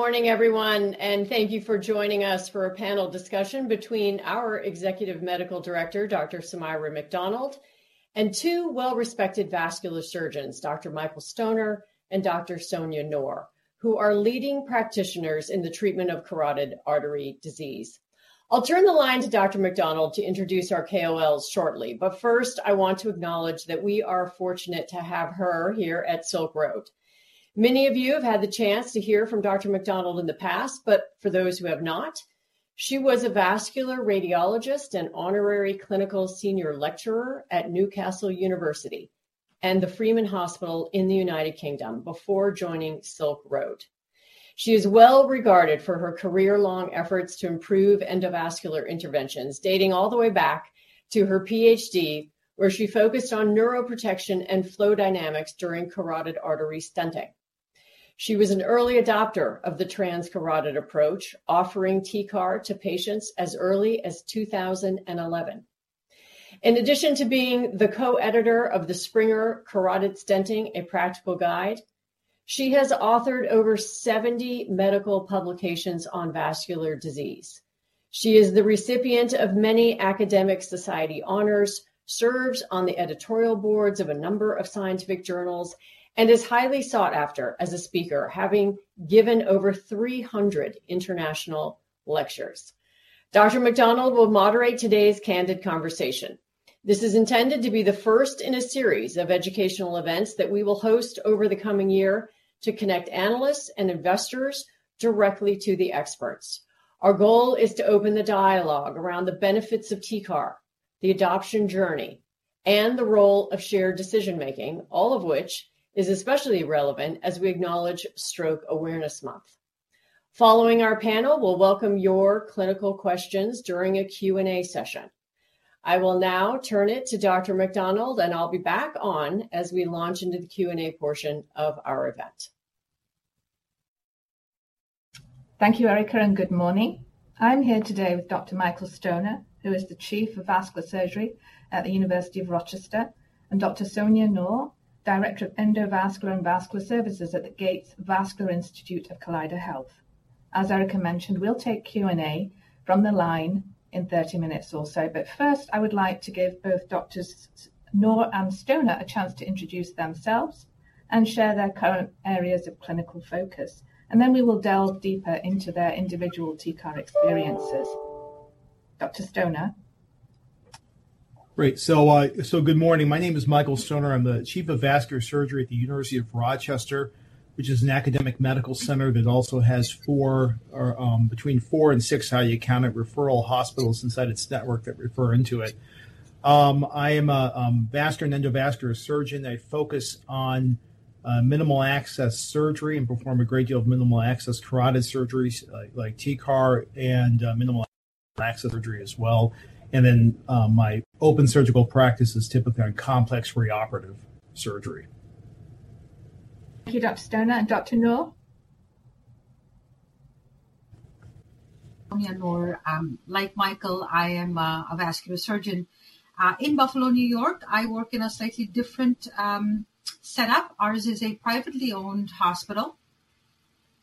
Morning, everyone, thank you for joining us for a panel discussion between our Executive Medical Director, Dr. Sumaira Macdonald, and two well-respected vascular surgeons, Dr. Michael Stoner and Dr. Sonya Noor, who are leading practitioners in the treatment of Carotid Artery Disease. I'll turn the line to Dr. Macdonald to introduce our KOLs shortly, but first, I want to acknowledge that we are fortunate to have her here at Silk Road. Many of you have had the chance to hear from Dr. Macdonald in the past, but for those who have not, she was a vascular radiologist and honorary clinical senior lecturer at Newcastle University and the Freeman Hospital in the United Kingdom before joining Silk Road. She is well regarded for her career-long efforts to improve endovascular interventions, dating all the way back to her PhD, where she focused on neuroprotection and flow dynamics during carotid artery stenting. She was an early adopter of the transcarotid approach, offering TCAR to patients as early as 2011. In addition to being the co-editor of the Springer Carotid Stenting: A Practical Guide, she has authored over 70 medical publications on vascular disease. She is the recipient of many academic society honors, serves on the editorial boards of a number of scientific journals, and is highly sought after as a speaker, having given over 300 international lectures. Dr. Macdonald will moderate today's candid conversation. This is intended to be the first in a series of educational events that we will host over the coming year to connect analysts and investors directly to the experts. Our goal is to open the dialogue around the benefits of TCAR, the adoption journey, and the role of shared decision-making, all of which is especially relevant as we acknowledge National Stroke Awareness Month. Following our panel, we'll welcome your clinical questions during a Q&A session. I will now turn it to Dr. Macdonald, I'll be back on as we launch into the Q&A portion of our event. Thank you, Erica, and good morning. I'm here today with Dr. Michael Stoner, who is the Chief of Vascular Surgery at the University of Rochester, and Dr. Sonya Noor, Director of Endovascular and Vascular Services at the Gates Vascular Institute of Kaleida Health. As Erica mentioned, we'll take Q&A from the line in 30 minutes or so, but first, I would like to give both Doctors Noor and Stoner a chance to introduce themselves and share their current areas of clinical focus, and then we will delve deeper into their individual TCAR experiences. Dr. Stoner? Good morning. My name is Michael Stoner. I'm the Chief of Vascular Surgery at the University of Rochester, which is an academic medical center that also has four or between four and six, how you count it, referral hospitals inside its network that refer into it. I am a vascular and endovascular surgeon. I focus on minimal access surgery and perform a great deal of minimal access carotid surgeries, like TCAR and minimal access surgery as well. My open surgical practice is typically on complex reoperative surgery. Thank you, Dr. Stoner. Dr. Noor? Sonya Noor. Like Michael, I am a vascular surgeon in Buffalo, New York. I work in a slightly different setup. Ours is a privately owned hospital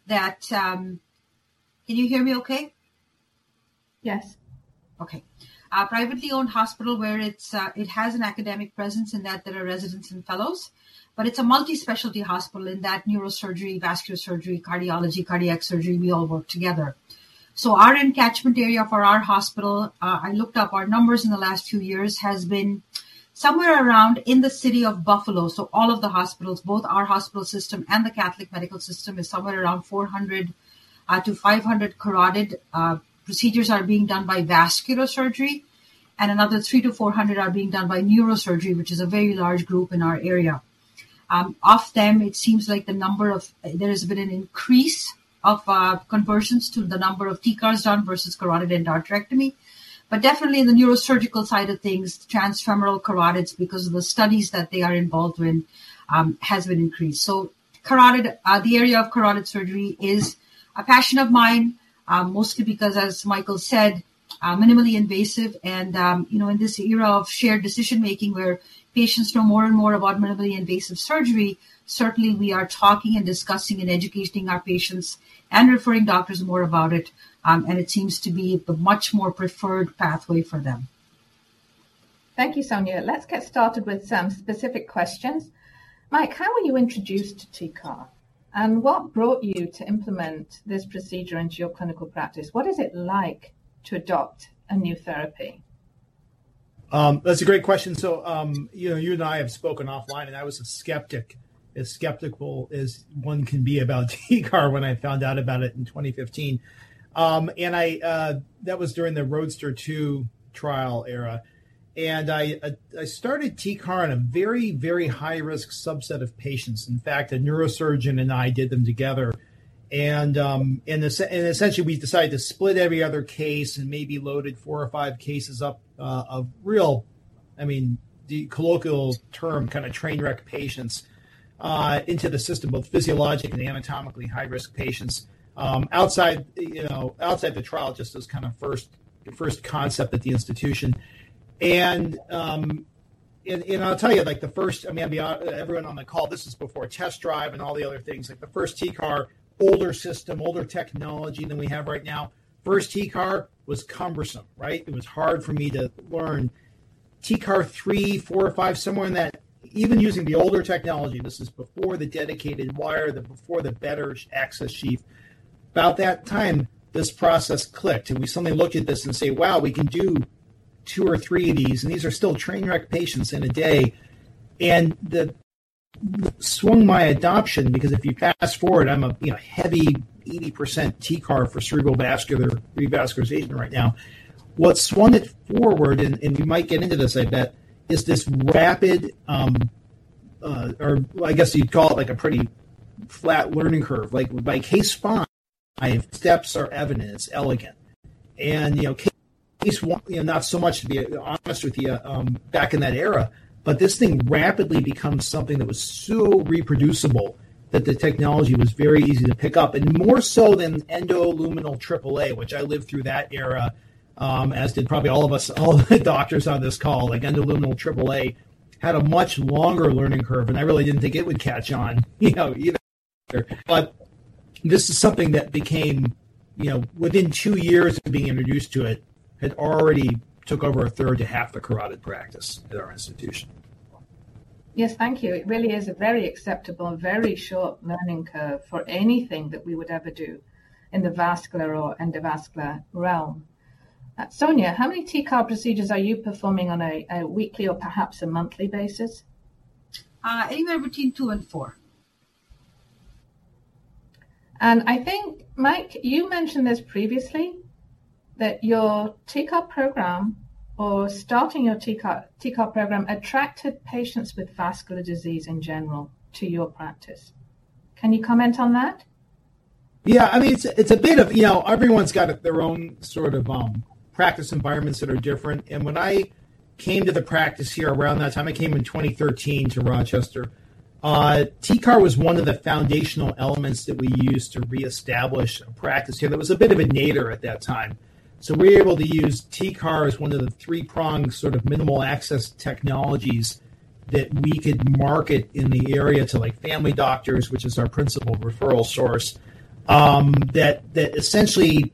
that... Can you hear me okay? Yes. Okay. A privately owned hospital where it's, it has an academic presence in that there are residents and fellows, but it's a multi-specialty hospital in that neurosurgery, vascular surgery, cardiology, cardiac surgery, we all work together. Our encatchment area for our hospital, I looked up our numbers in the last two years, has been somewhere around in the city of Buffalo. All of the hospitals, both our hospital system and the Catholic Medical System, is somewhere around 400-500 carotid procedures are being done by vascular surgery, and another 300-400 are being done by neurosurgery, which is a very large group in our area. Of them, it seems like there has been an increase of conversions to the number of TCARs done versus carotid endarterectomy. Definitely in the neurosurgical side of things, transfemoral carotids, because of the studies that they are involved in, has been increased. Carotid, the area of carotid surgery is a passion of mine, mostly because, as Michael said, minimally invasive and, you know, in this era of shared decision-making, where patients know more and more about minimally invasive surgery, certainly, we are talking and discussing and educating our patients and referring doctors more about it, and it seems to be the much more preferred pathway for them. Thank you, Sonya. Let's get started with some specific questions. Mike, how were you introduced to TCAR, and what brought you to implement this procedure into your clinical practice? What is it like to adopt a new therapy? That's a great question. You know, you and I have spoken offline, and I was a skeptic, as skeptical as one can be about TCAR when I found out about it in 2015. I, that was during the ROADSTER 2 trial era, and I started TCAR in a very, very high-risk subset of patients. In fact, a neurosurgeon and I did them together, and essentially, we decided to split every other case and maybe loaded four or five cases up of real... I mean, the colloquial term, kind of train wreck patients, into the system, both physiologic and anatomically high-risk patients. Outside, you know, outside the trial, just as kind of first, the first concept at the institution. I-... I'll tell you, like, the first, I mean, everyone on the call, this is before TEST Drive and all the other things, like the first TCAR, older system, older technology than we have right now. First TCAR was cumbersome, right? It was hard for me to learn. TCAR three, four, or five, somewhere in that, even using the older technology, this is before the dedicated wire, before the better access sheath. About that time, this process clicked, and we suddenly looked at this and say, "Wow, we can do two or three of these," and these are still train wreck patients in a day. What swung my adoption, because if you fast forward, I'm a, you know, heavy 80% TCAR for cerebral vascular revascularization right now. What swung it forward, and we might get into this, I bet, is this rapid, or I guess you'd call it, like a pretty flat learning curve. Like, by case five, I have steps are evident, it's elegant. You know, case one, you know, not so much, to be honest with you, back in that era, but this thing rapidly becomes something that was so reproducible that the technology was very easy to pick up, and more so than endoluminal Triple A, which I lived through that era, as did probably all of us, all the doctors on this call. Like endoluminal Triple A had a much longer learning curve, and I really didn't think it would catch on, you know, either. This is something that became, you know, within two years of being introduced to it, had already took over a third to half the carotid practice at our institution. Yes, thank you. It really is a very acceptable, very short learning curve for anything that we would ever do in the vascular or endovascular realm. Sonya, how many TCAR procedures are you performing on a weekly or perhaps a monthly basis? anywhere between two and four. I think, Mike, you mentioned this previously, that your TCAR program or starting your TCAR program attracted patients with vascular disease in general to your practice. Can you comment on that? I mean, it's a, it's a bit of, you know, everyone's got their own sort of practice environments that are different. When I came to the practice here around that time, I came in 2013 to Rochester, TCAR was one of the foundational elements that we used to reestablish a practice here. There was a bit of a nadir at that time. We were able to use TCAR as one of the 3-pronged, sort of minimal access technologies that we could market in the area to, like, family doctors, which is our principal referral source. That, that essentially,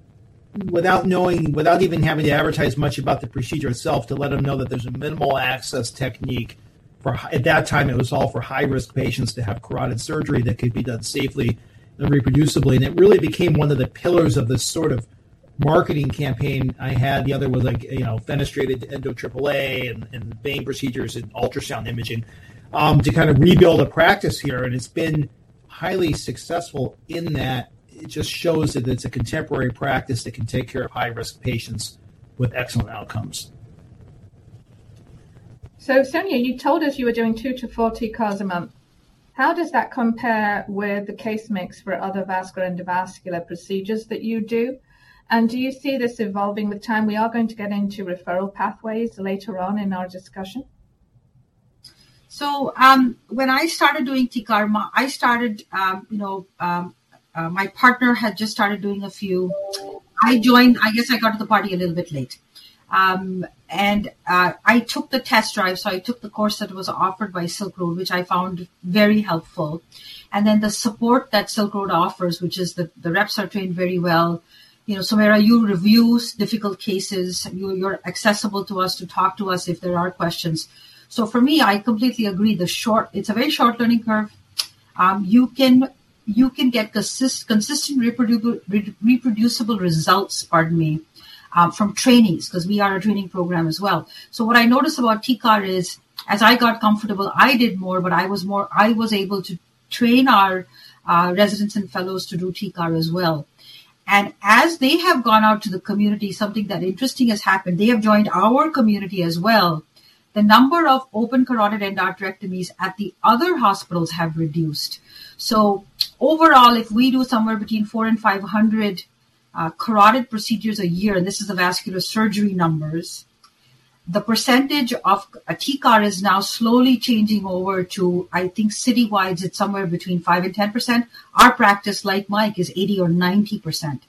without knowing, without even having to advertise much about the procedure itself, to let them know that there's a minimal access technique for at that time, it was all for high-risk patients to have carotid surgery that could be done safely and reproducibly. It really became one of the pillars of the sort of marketing campaign I had. The other was, like, you know, fenestrated endovascular aneurysm repair, and vein procedures, and ultrasound imaging, to kind of rebuild a practice here, and it's been highly successful in that it just shows that it's a contemporary practice that can take care of high-risk patients with excellent outcomes. Sonia, you told us you were doing two to four TCARs a month. How does that compare with the case mix for other vascular and endovascular procedures that you do? Do you see this evolving with time? We are going to get into referral pathways later on in our discussion. When I started doing TCAR, Ma, I started, you know, my partner had just started doing a few. I guess I got to the party a little bit late. I took the TEST Drive, so I took the course that was offered by Silk Road, which I found very helpful. Then the support that Silk Road offers, which is the reps are trained very well. You know, Sumaira, you review difficult cases, you're accessible to us, to talk to us if there are questions. For me, I completely agree, it's a very short learning curve. You can get consistent, reproducible results, pardon me, from trainees, because we are a training program as well. What I noticed about TCAR is, as I got comfortable, I did more, but I was able to train our residents and fellows to do TCAR as well. As they have gone out to the community, something that interesting has happened, they have joined our community as well. The number of open carotid endarterectomies at the other hospitals have reduced. Overall, if we do somewhere between 400 and 500 carotid procedures a year, and this is the vascular surgery numbers, the percentage of a TCAR is now slowly changing over to, I think, citywide, it's somewhere between 5%-10%. Our practice, like Mike, is 80% or 90%.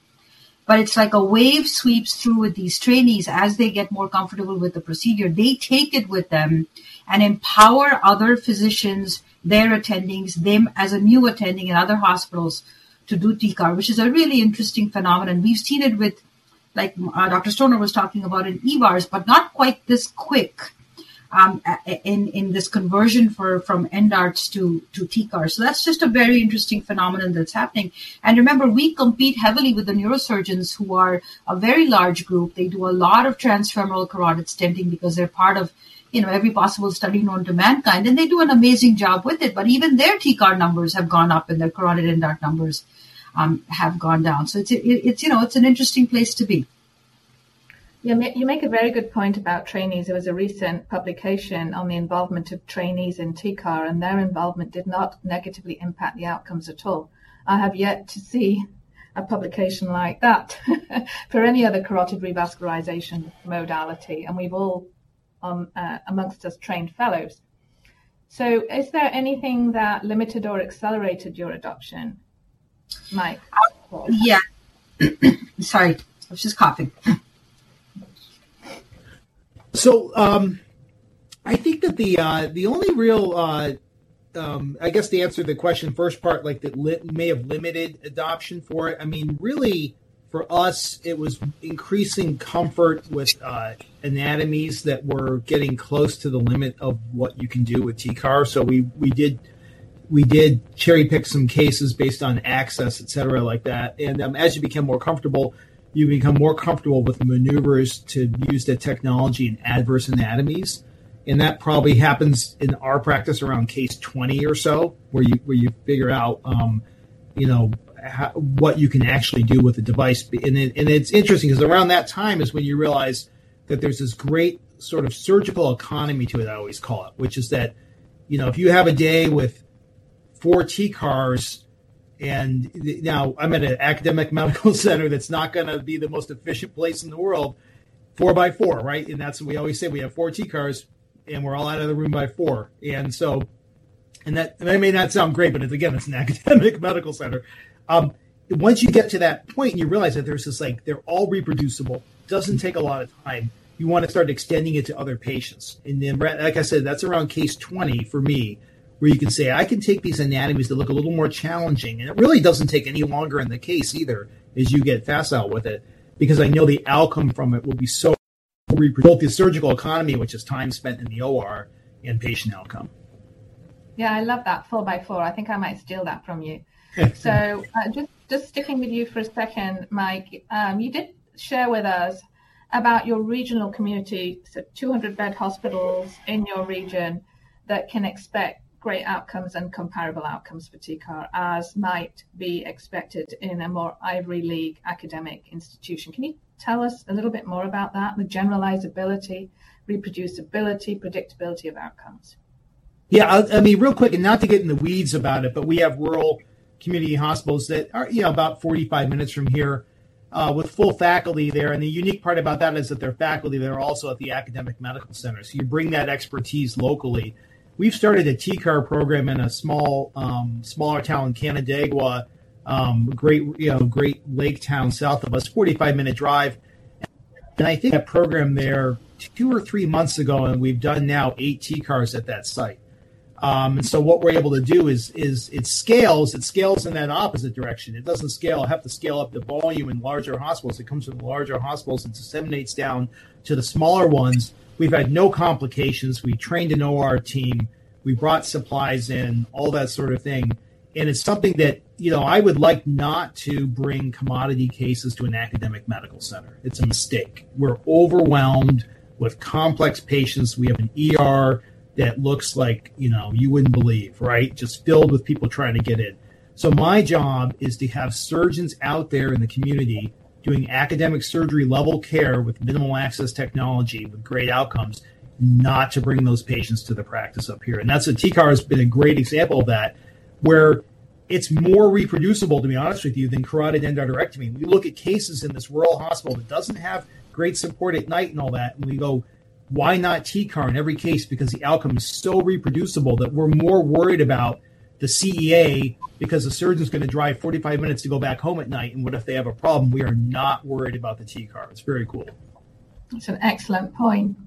It's like a wave sweeps through with these trainees. As they get more comfortable with the procedure, they take it with them and empower other physicians, their attendings, them as a new attending in other hospitals, to do TCAR, which is a really interesting phenomenon. We've seen it with, like, Dr. Stoner was talking about in EVARs, but not quite this quick in this conversion from endarts to TCAR. That's just a very interesting phenomenon that's happening. Remember, we compete heavily with the neurosurgeons, who are a very large group. They do a lot of transfemoral carotid stenting because they're part of, you know, every possible study known to mankind, and they do an amazing job with it. Even their TCAR numbers have gone up, and their carotid endart numbers have gone down. It's, you know, it's an interesting place to be. You make a very good point about trainees. There was a recent publication on the involvement of trainees in TCAR, and their involvement did not negatively impact the outcomes at all. I have yet to see a publication like that for any other carotid revascularization modality, and we've all amongst us, trained fellows. Is there anything that limited or accelerated your adoption? Mike? Yeah. Sorry, I was just coughing. I think that the only real, I guess the answer to the question, first part, like, that may have limited adoption for it. I mean, really, for us, it was increasing comfort with anatomies that were getting close to the limit of what you can do with TCAR. We did cherry-pick some cases based on access, et cetera, like that. As you become more comfortable, you become more comfortable with maneuvers to use the technology in adverse anatomies, and that probably happens in our practice around case 20 or so, where you figure out, you know, what you can actually do with the device. It's interesting because around that time is when you realize that there's this great sort of surgical economy to it, I always call it, which is that, you know, if you have a day with four TCARs, now I'm at an academic medical center that's not going to be the most efficient place in the world, four by four, right? And that's what we always say. We have four TCARs, and we're all out of the room by four. So, and that may not sound great, but again, it's an academic medical center. Once you get to that point, you realize that there's this, like, they're all reproducible, doesn't take a lot of time. You want to start extending it to other patients. Like I said, that's around case 20 for me, where you can say, "I can take these anatomies that look a little more challenging," and it really doesn't take any longer in the case either, as you get facile with it, because I know the outcome from it will be so reproducible. The surgical economy, which is time spent in the OR, and patient outcome. Yeah, I love that four by four. I think I might steal that from you. Just sticking with you for a second, Mike, you did share with us about your regional community, so 200-bed hospitals in your region that can expect great outcomes and comparable outcomes for TCAR, as might be expected in a more Ivy League academic institution. Can you tell us a little bit more about that, the generalizability, reproducibility, predictability of outcomes? I mean, real quick, not to get in the weeds about it, but we have rural community hospitals that are, you know, about 45 minutes from here, with full faculty there. The unique part about that is that they're faculty, they're also at the academic medical center. You bring that expertise locally. We've started a TCAR program in a small, smaller town, Canandaigua, great, you know, great lake town south of us, 45-minute drive. I think a program there two or three months ago, and we've done now eight TCARs at that site. What we're able to do is, it scales, it scales in that opposite direction. It doesn't have to scale up the volume in larger hospitals. It comes from larger hospitals and disseminates down to the smaller ones. We've had no complications. We trained an OR team, we brought supplies in, all that sort of thing. It's something that, you know, I would like not to bring commodity cases to an academic medical center. It's a mistake. We're overwhelmed with complex patients. We have an ER that looks like, you know, you wouldn't believe, right? Just filled with people trying to get in. My job is to have surgeons out there in the community doing academic surgery-level care with minimal access technology, with great outcomes, not to bring those patients to the practice up here. That's a TCAR has been a great example of that, where it's more reproducible, to be honest with you, than carotid endarterectomy. We look at cases in this rural hospital that doesn't have great support at night and all that, and we go, "Why not TCAR in every case?" The outcome is so reproducible that we're more worried about the CEA, because the surgeon's going to drive 45 minutes to go back home at night. What if they have a problem? We are not worried about the TCAR. It's very cool. That's an excellent point.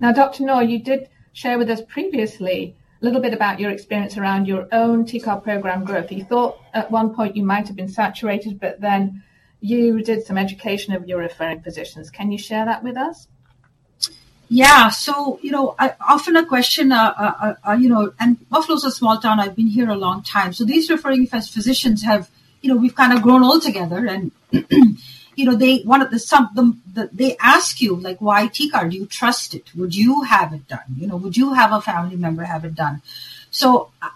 Dr. Noor, you did share with us previously a little bit about your experience around your own TCAR program growth. You thought at one point you might have been saturated, but then you did some education of your referring physicians. Can you share that with us? Yeah. You know, often a question, you know... Buffalo is a small town. I've been here a long time. These referring physicians have, you know, we've kind of grown old together, you know, they, one of them, they ask you, like: Why TCAR? Do you trust it? Would you have it done? You know, would you have a family member have it done?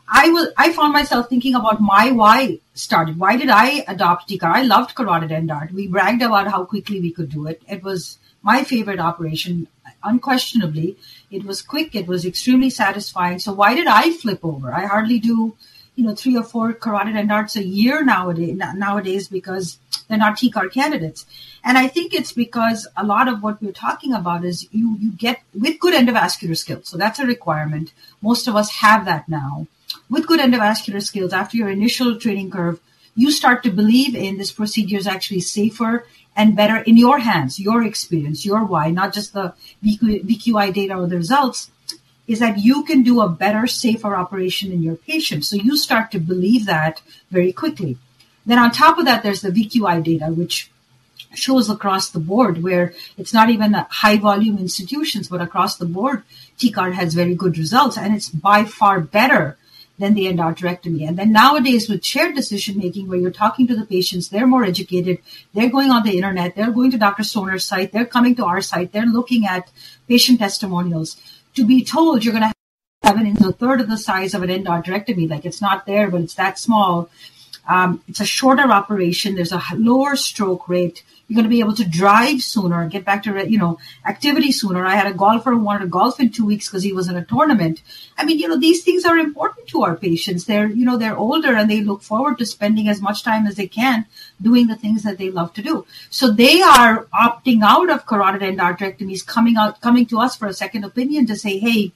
I found myself thinking about my why started. Why did I adopt TCAR? I loved carotid endart. We bragged about how quickly we could do it. It was my favorite operation, unquestionably. It was quick, it was extremely satisfying. Why did I flip over? I hardly do, you know, three or four carotid endarts a year nowadays because they're not TCAR candidates. I think it's because a lot of what you're talking about is you get with good endovascular skills. That's a requirement. Most of us have that now. With good endovascular skills, after your initial training curve, you start to believe in this procedure is actually safer and better in your hands, your experience, your why, not just the VQI data or the results, is that you can do a better, safer operation in your patient. You start to believe that very quickly. On top of that, there's the VQI data, which shows across the board, where it's not even the high-volume institutions, but across the board, TCAR has very good results, and it's by far better than the endarterectomy. Nowadays, with shared decision-making, where you're talking to the patients, they're more educated, they're going on the internet, they're going to Dr. Stoner's site, they're coming to our site, they're looking at patient testimonials. To be told you're going to have an incision a third of the size of an endarterectomy, like it's not there, but it's that small. It's a shorter operation, there's a lower stroke rate. You're going to be able to drive sooner, get back to, you know, activity sooner. I had a golfer who wanted to golf in two weeks because he was in a tournament. I mean, you know, these things are important to our patients. They're, you know, they're older, and they look forward to spending as much time as they can doing the things that they love to do. They are opting out of carotid endarterectomy, coming to us for a second opinion to say, "Hey..."...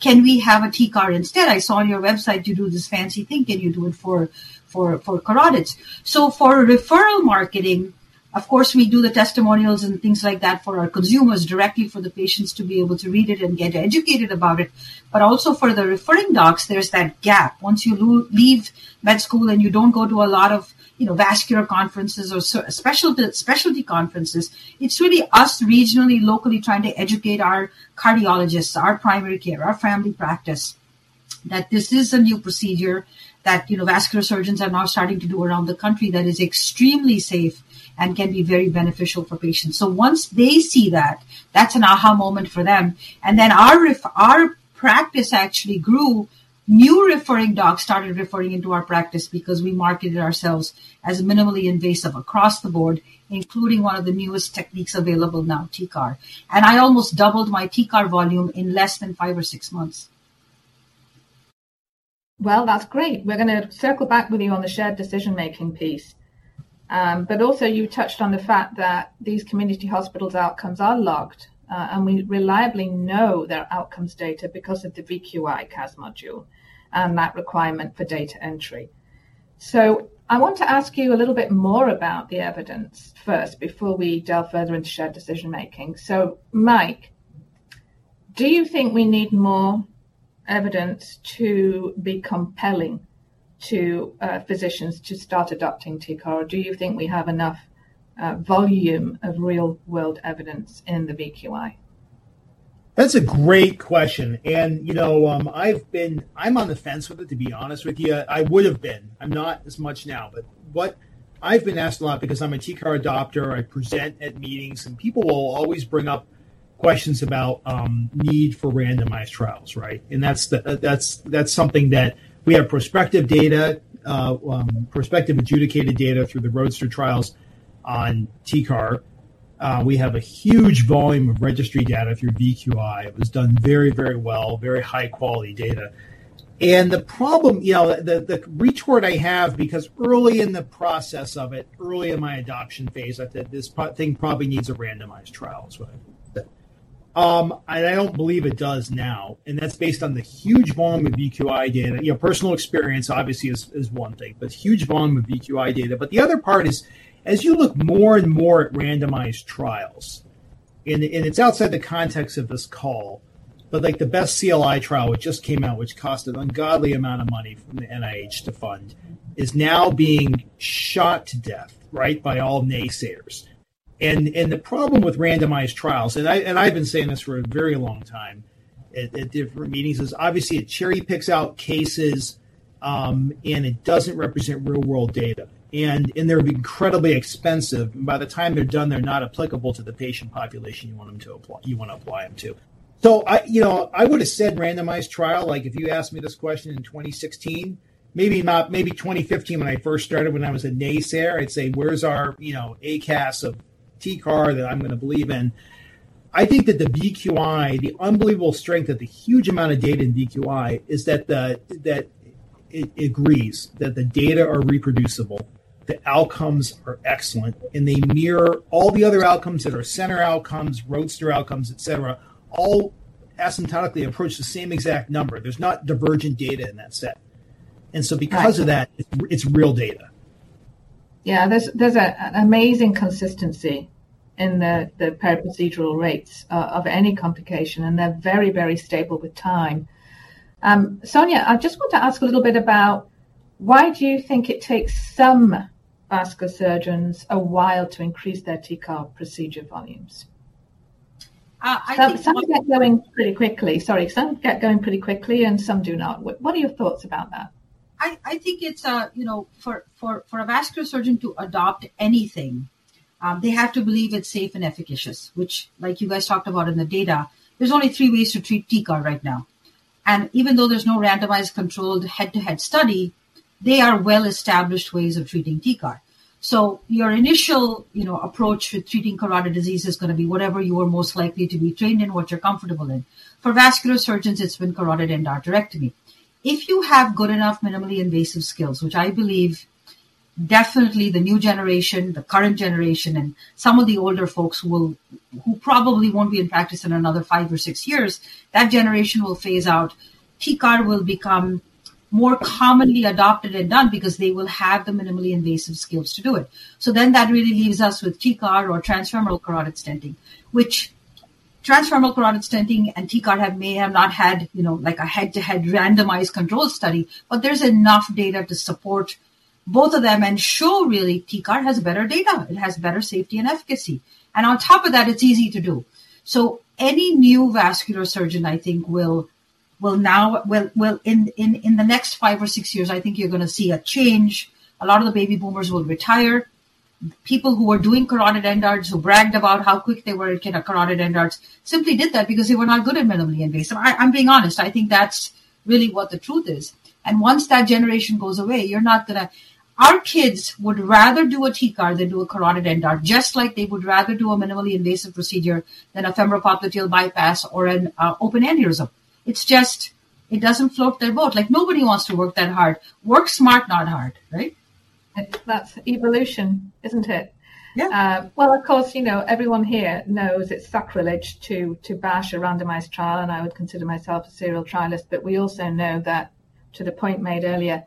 Can we have a TCAR instead? I saw on your website you do this fancy thing, and you do it for carotids. For referral marketing, of course, we do the testimonials and things like that for our consumers directly, for the patients to be able to read it and get educated about it. Also for the referring docs, there's that gap. Once you leave med school, and you don't go to a lot of, you know, vascular conferences or specialty conferences, it's really us regionally, locally, trying to educate our cardiologists, our primary care, our family practice, that this is a new procedure that, you know, vascular surgeons are now starting to do around the country that is extremely safe and can be very beneficial for patients. Once they see that's an aha moment for them. Then our practice actually grew. New referring docs started referring into our practice because we marketed ourselves as minimally invasive across the board, including one of the newest techniques available now, TCAR. I almost doubled my TCAR volume in less than five or six months. Well, that's great. We're going to circle back with you on the shared decision-making piece. But also, you touched on the fact that these community hospitals' outcomes are logged, and we reliably know their outcomes data because of the VQI CAS registry and that requirement for data entry. I want to ask you a little bit more about the evidence first before we delve further into shared decision-making. Mike, do you think we need more evidence to be compelling to physicians to start adopting TCAR, or do you think we have enough volume of real-world evidence in the VQI? That's a great question. You know, I'm on the fence with it, to be honest with you. I would've been. I'm not as much now, but what I've been asked a lot because I'm a TCAR adopter, I present at meetings, and people will always bring up questions about need for randomized trials, right? That's the, that's something that we have prospective data, prospective adjudicated data through the ROADSTER trials on TCAR. We have a huge volume of registry data through VQI. It was done very, very well, very high-quality data. The problem, you know, the retort I have, because early in the process of it, early in my adoption phase, I thought this thing probably needs a randomized trial as well. I don't believe it does now, and that's based on the huge volume of VQI data. You know, personal experience obviously is one thing, but huge volume of VQI data. The other part is, as you look more and more at randomized trials, and it's outside the context of this call, but like the BEST-CLI trial, which just came out, which cost an ungodly amount of money from the NIH to fund, is now being shot to death, right, by all naysayers. The problem with randomized trials, I've been saying this for a very long time at different meetings, is obviously it cherry-picks out cases, and it doesn't represent real-world data, and they're incredibly expensive, and by the time they're done, they're not applicable to the patient population you want to apply them to. I, you know, I would've said randomized trial, like, if you asked me this question in 2016, maybe not, maybe 2015 when I first started, when I was a naysayer, I'd say: "Where's our, you know, ACAS of TCAR that I'm going to believe in?" I think that the VQI, the unbelievable strength of the huge amount of data in VQI is that it agrees, that the data are reproducible, the outcomes are excellent, and they mirror all the other outcomes that are center outcomes, ROADSTER outcomes, et cetera, all asymptotically approach the same exact number. There's not divergent data in that set. Because of that, it's real data. There's an amazing consistency in the periprocedural rates of any complication, and they're very, very stable with time. Sonya, I just want to ask a little bit about why do you think it takes some vascular surgeons a while to increase their TCAR procedure volumes? I think- Some get going pretty quickly. Sorry. Some do not. What are your thoughts about that? I think it's, you know, for a vascular surgeon to adopt anything, they have to believe it's safe and efficacious, which, like you guys talked about in the data, there's only three ways to treat TCAR right now, and even though there's no randomized, controlled, head-to-head study, they are well-established ways of treating TCAR. Your initial, you know, approach to treating Carotid disease is going to be whatever you are most likely to be trained in, what you're comfortable in. For vascular surgeons, it's been carotid endarterectomy. If you have good enough minimally invasive skills, which I believe definitely the new generation, the current generation, and some of the older folks who probably won't be in practice in another five or six years, that generation will phase out. TCAR will become more commonly adopted and done because they will have the minimally invasive skills to do it. That really leaves us with TCAR or transfemoral carotid stenting, which transfemoral carotid stenting and TCAR have may have not had, you know, like a head-to-head randomized controlled study, but there's enough data to support both of them and show really TCAR has better data. It has better safety and efficacy, and on top of that, it's easy to do. Any new vascular surgeon, I think, will now in the next five or six years, I think you're going to see a change. A lot of the baby boomers will retire. People who are doing carotid endarts, who bragged about how quick they were in a carotid endarts, simply did that because they were not good at minimally invasive. I'm being honest. I think that's really what the truth is. Once that generation goes away, Our kids would rather do a TCAR than do a carotid endart, just like they would rather do a minimally invasive procedure than a femoropopliteal bypass or an open aneurysm. It's just, it doesn't float their boat. Like, nobody wants to work that hard. Work smart, not hard, right? That's evolution, isn't it? Yeah. Well, of course, you know, everyone here knows it's sacrilege to bash a randomized trial, and I would consider myself a serial trialist. We also know that, to the point made earlier,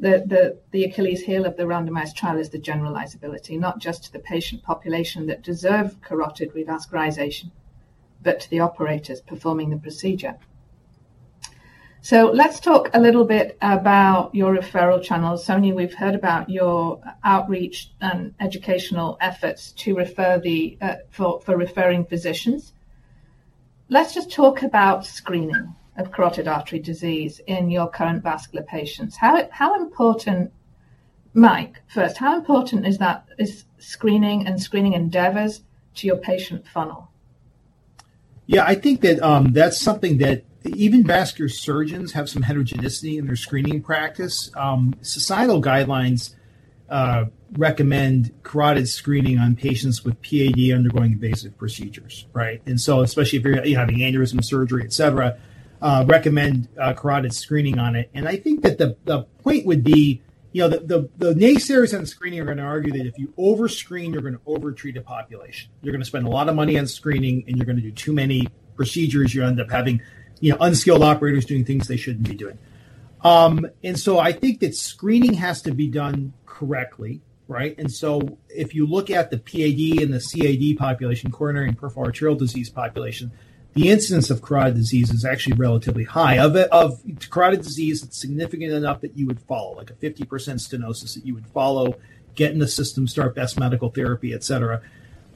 that the Achilles heel of the randomized trial is the generalizability, not just to the patient population that deserve carotid revascularization, but to the operators performing the procedure. Let's talk a little bit about your referral channels. Sonia, we've heard about your outreach and educational efforts for referring physicians. Let's just talk about screening of Carotid Artery Disease in your current vascular patients. How important Mike, first, how important is that screening and screening endeavors to your patient funnel? I think that's something that even vascular surgeons have some heterogeneity in their screening practice. Societal guidelines recommend carotid screening on patients with PAD undergoing invasive procedures, right. Especially if you're having aneurysm surgery, et cetera, recommend carotid screening on it. I think that the point would be, you know, the naysayers on screening are going to argue that if you overscreen, you're going to overtreat a population. You're going to spend a lot of money on screening, and you're going to do too many procedures. You end up having, you know, unskilled operators doing things they shouldn't be doing. I think that screening has to be done correctly, right. If you look at the PAD and the CAD population, coronary and peripheral arterial disease population, the incidence of carotid disease is actually relatively high. Of it, of carotid disease, it's significant enough that you would follow, like a 50% stenosis that you would follow, get in the system, start best medical therapy, et cetera.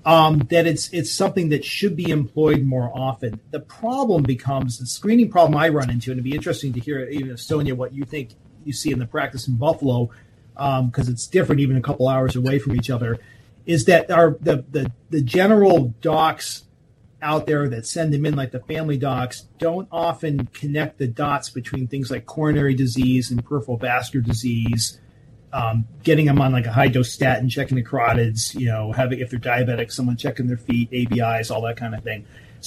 That it's something that should be employed more often. The problem becomes, the screening problem I run into, and it'd be interesting to hear, even Sonya, what you think you see in the practice in Buffalo, because it's different even a couple of hours away from each other, is that the general docs out there that send them in, like the family docs, don't often connect the dots between things like coronary disease and peripheral vascular disease. Getting them on, like, a high-dose statin, checking the carotids, you know, if they're diabetic, someone checking their feet, ABIs, all that kind of thing.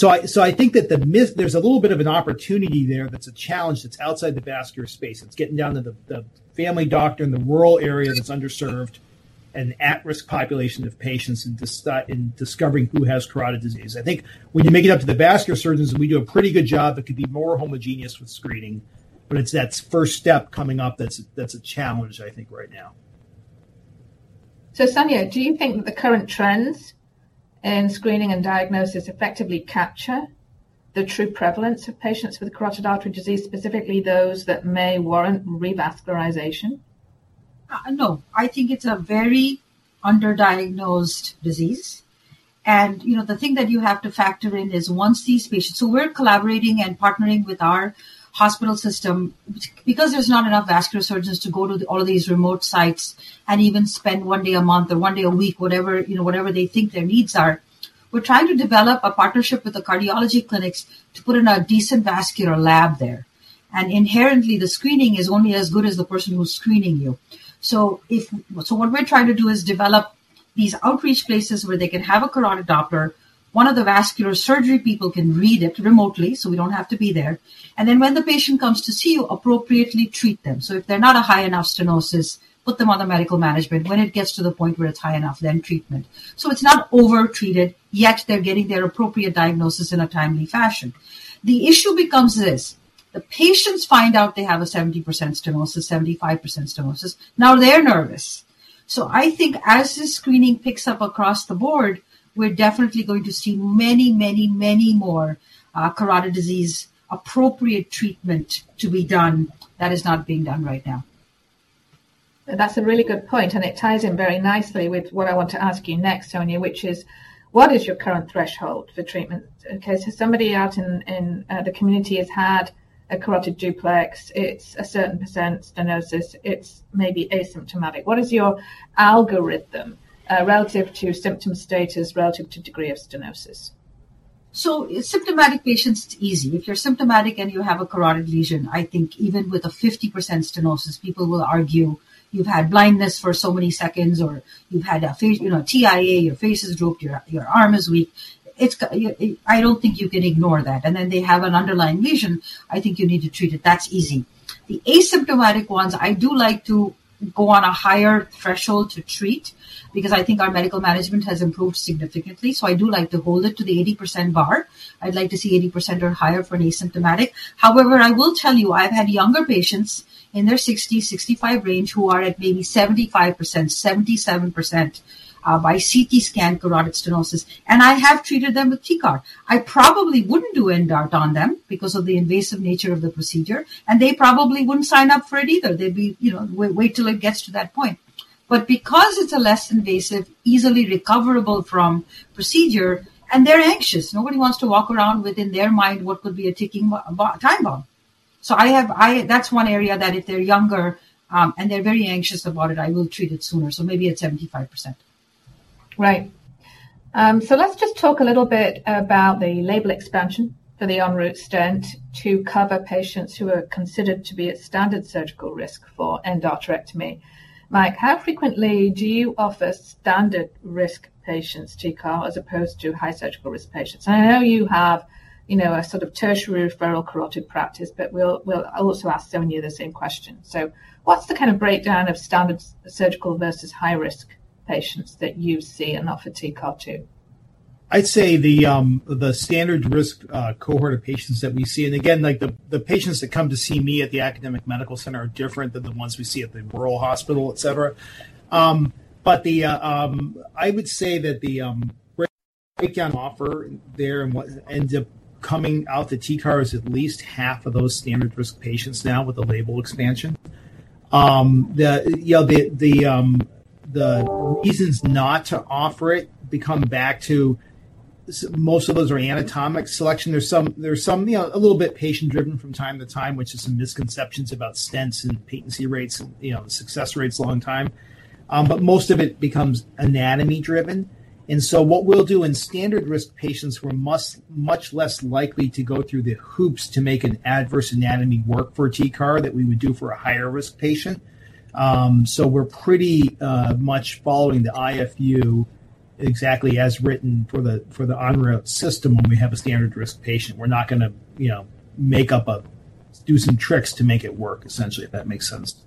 I think that there's a little bit of an opportunity there that's a challenge that's outside the vascular space. It's getting down to the family doctor in the rural area that's underserved and at-risk population of patients in discovering who has carotid disease. I think when you make it up to the vascular surgeons, we do a pretty good job. It could be more homogeneous with screening. It's that first step coming up that's a challenge, I think, right now. Sonya, do you think that the current trends in screening and diagnosis effectively capture the true prevalence of patients with Carotid Artery Disease, specifically those that may warrant revascularization? No. I think it's a very underdiagnosed disease, you know, the thing that you have to factor in is once these patients... We're collaborating and partnering with our hospital system because there's not enough vascular surgeons to go to all of these remote sites and even spend one day a month or one day a week, whatever, you know, whatever they think their needs are. We're trying to develop a partnership with the cardiology clinics to put in a decent vascular lab there. Inherently, the screening is only as good as the person who's screening you. What we're trying to do is develop these outreach places where they can have a carotid Doppler. One of the vascular surgery people can read it remotely, so we don't have to be there, and then when the patient comes to see you, appropriately treat them. If they're not a high enough stenosis, put them on the medical management. When it gets to the point where it's high enough, then treatment. It's not overtreated, yet they're getting their appropriate diagnosis in a timely fashion. The issue becomes this: the patients find out they have a 70% stenosis, 75% stenosis. Now, they're nervous. I think as this screening picks up across the board, we're definitely going to see many, many, many more carotid disease appropriate treatment to be done that is not being done right now. That's a really good point. It ties in very nicely with what I want to ask you next, Sonia, which is: What is your current threshold for treatment? Okay, somebody out in the community has had a carotid duplex. It's a certain percent stenosis. It's maybe asymptomatic. What is your algorithm, relative to symptom status, relative to degree of stenosis? Symptomatic patients, it's easy. If you're symptomatic and you have a carotid lesion, I think even with a 50% stenosis, people will argue you've had blindness for so many seconds, or you've had a face, you know, TIA, your face is dropped, your arm is weak. I don't think you can ignore that. They have an underlying lesion. I think you need to treat it. That's easy. The asymptomatic ones, I do like to go on a higher threshold to treat because I think our medical management has improved significantly, so I do like to hold it to the 80% bar. I'd like to see 80% or higher for an asymptomatic. I will tell you, I've had younger patients in their 60, 65 range who are at maybe 75%, 77% by CT scan, carotid stenosis, and I have treated them with TCAR. I probably wouldn't do endart on them because of the invasive nature of the procedure, and they probably wouldn't sign up for it either. They'd be, you know, wait till it gets to that point. Because it's a less invasive, easily recoverable from procedure, and they're anxious, nobody wants to walk around within their mind what could be a ticking a time bomb. That's one area that if they're younger, and they're very anxious about it, I will treat it sooner. Maybe at 75%. Right. Let's just talk a little bit about the label expansion for the ENROUTE Stent to cover patients who are considered to be at standard surgical risk for carotid endarterectomy. Mike, how frequently do you offer standard risk patients TCAR as opposed to high surgical risk patients? I know you have, you know, a sort of tertiary referral carotid practice, but we'll also ask Sonya the same question. What's the kind of breakdown of standard surgical versus high risk patients that you see and offer TCAR to?... I'd say the standard risk cohort of patients that we see, and again, like, the patients that come to see me at the academic medical center are different than the ones we see at the rural hospital, et cetera. I would say that the breakdown offer there and what ends up coming out to TCAR is at least half of those standard-risk patients now with the label expansion. The, you know, the reasons not to offer it become back to most of those are anatomic selection. There's some, there's some, you know, a little bit patient-driven from time to time, which is some misconceptions about stents and patency rates and, you know, the success rates long time. Most of it becomes anatomy-driven. What we'll do in standard-risk patients, we're much less likely to go through the hoops to make an adverse anatomy work for a TCAR that we would do for a higher-risk patient. We're pretty much following the IFU exactly as written for the ENROUTE system when we have a standard-risk patient. We're not going to, you know, do some tricks to make it work, essentially, if that makes sense.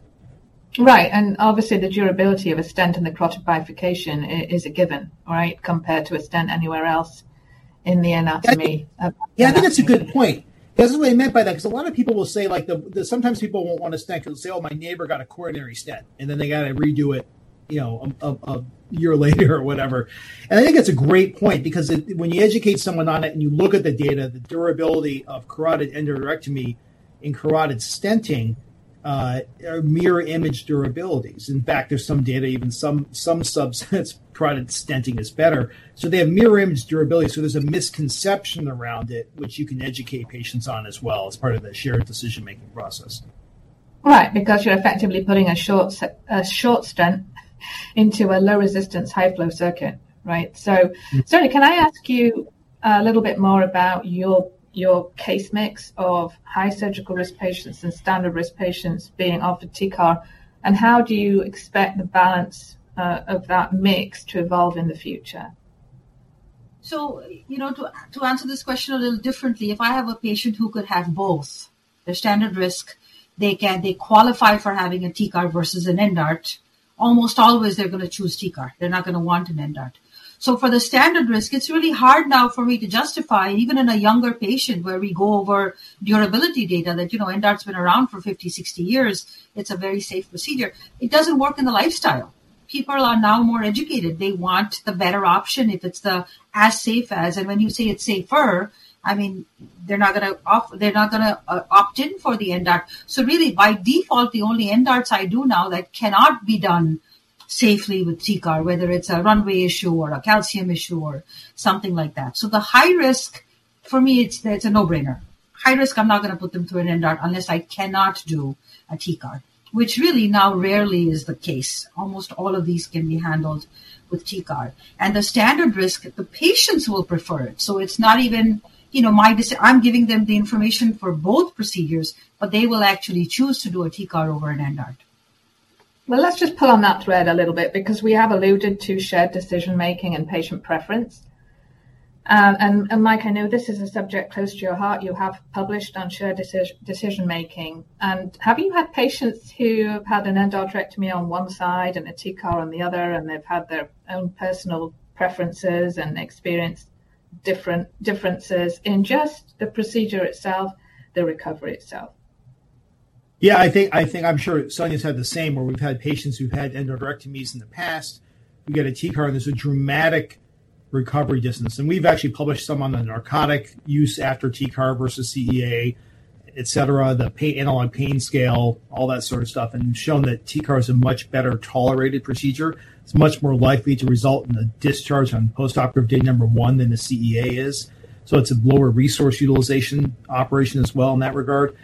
Right. Obviously, the durability of a stent in the carotid bifurcation is a given, right, compared to a stent anywhere else in the anatomy. Yeah, I think that's a good point. This is what I meant by that, because a lot of people will say, like, sometimes people won't want a stent because they'll say, "Oh, my neighbor got a coronary stent, and then they got to redo it, you know, a year later," or whatever. I think that's a great point because when you educate someone on it, and you look at the data, the durability of carotid endarterectomy and carotid stenting are mirror image durabilities. In fact, there's some data, even some subsets, carotid stenting is better. They have mirror image durability, so there's a misconception around it, which you can educate patients on as well as part of the shared decision-making process. Because you're effectively putting a short stent into a low-resistance, high-flow circuit, right? Mm-hmm. Sonya, can I ask you a little bit more about your case mix of high surgical risk patients and standard risk patients being offered TCAR, and how do you expect the balance, of that mix to evolve in the future? You know, to answer this question a little differently, if I have a patient who could have both, the standard risk, they qualify for having a TCAR versus an endart, almost always they're going to choose TCAR. They're not going to want an endart. For the standard risk, it's really hard now for me to justify, even in a younger patient where we go over durability data, that, you know, endart's been around for 50, 60 years. It's a very safe procedure. It doesn't work in the lifestyle. People are now more educated. They want the better option if it's the as safe as, and when you say it's safer, I mean, they're not going to opt in for the endart. Really, by default, the only endarts I do now that cannot be done safely with TCAR, whether it's a runway issue or a calcium issue or something like that. The high risk, for me, it's a no-brainer. High risk, I'm not going to put them through an endart unless I cannot do a TCAR, which really now rarely is the case. Almost all of these can be handled with TCAR. The standard risk, the patients will prefer it, so it's not even, you know, my decision. I'm giving them the information for both procedures, but they will actually choose to do a TCAR over an endart. Well, let's just pull on that thread a little bit because we have alluded to shared decision-making and patient preference. Mike, I know this is a subject close to your heart. You have published on shared decision-making. Have you had patients who have had an endarterectomy on one side and a TCAR on the other, and they've had their own personal preferences and experienced different differences in just the procedure itself, the recovery itself? Yeah, I think I'm sure Sonya's had the same, where we've had patients who've had endarterectomies in the past, we get a TCAR, and there's a dramatic recovery distance. We've actually published some on the narcotic use after TCAR versus CEA, et cetera, the analog pain scale, all that sort of stuff, and shown that TCAR is a much better tolerated procedure. It's much more likely to result in a discharge on postoperative day number one than the CEA is. It's a lower resource utilization operation as well in that regard.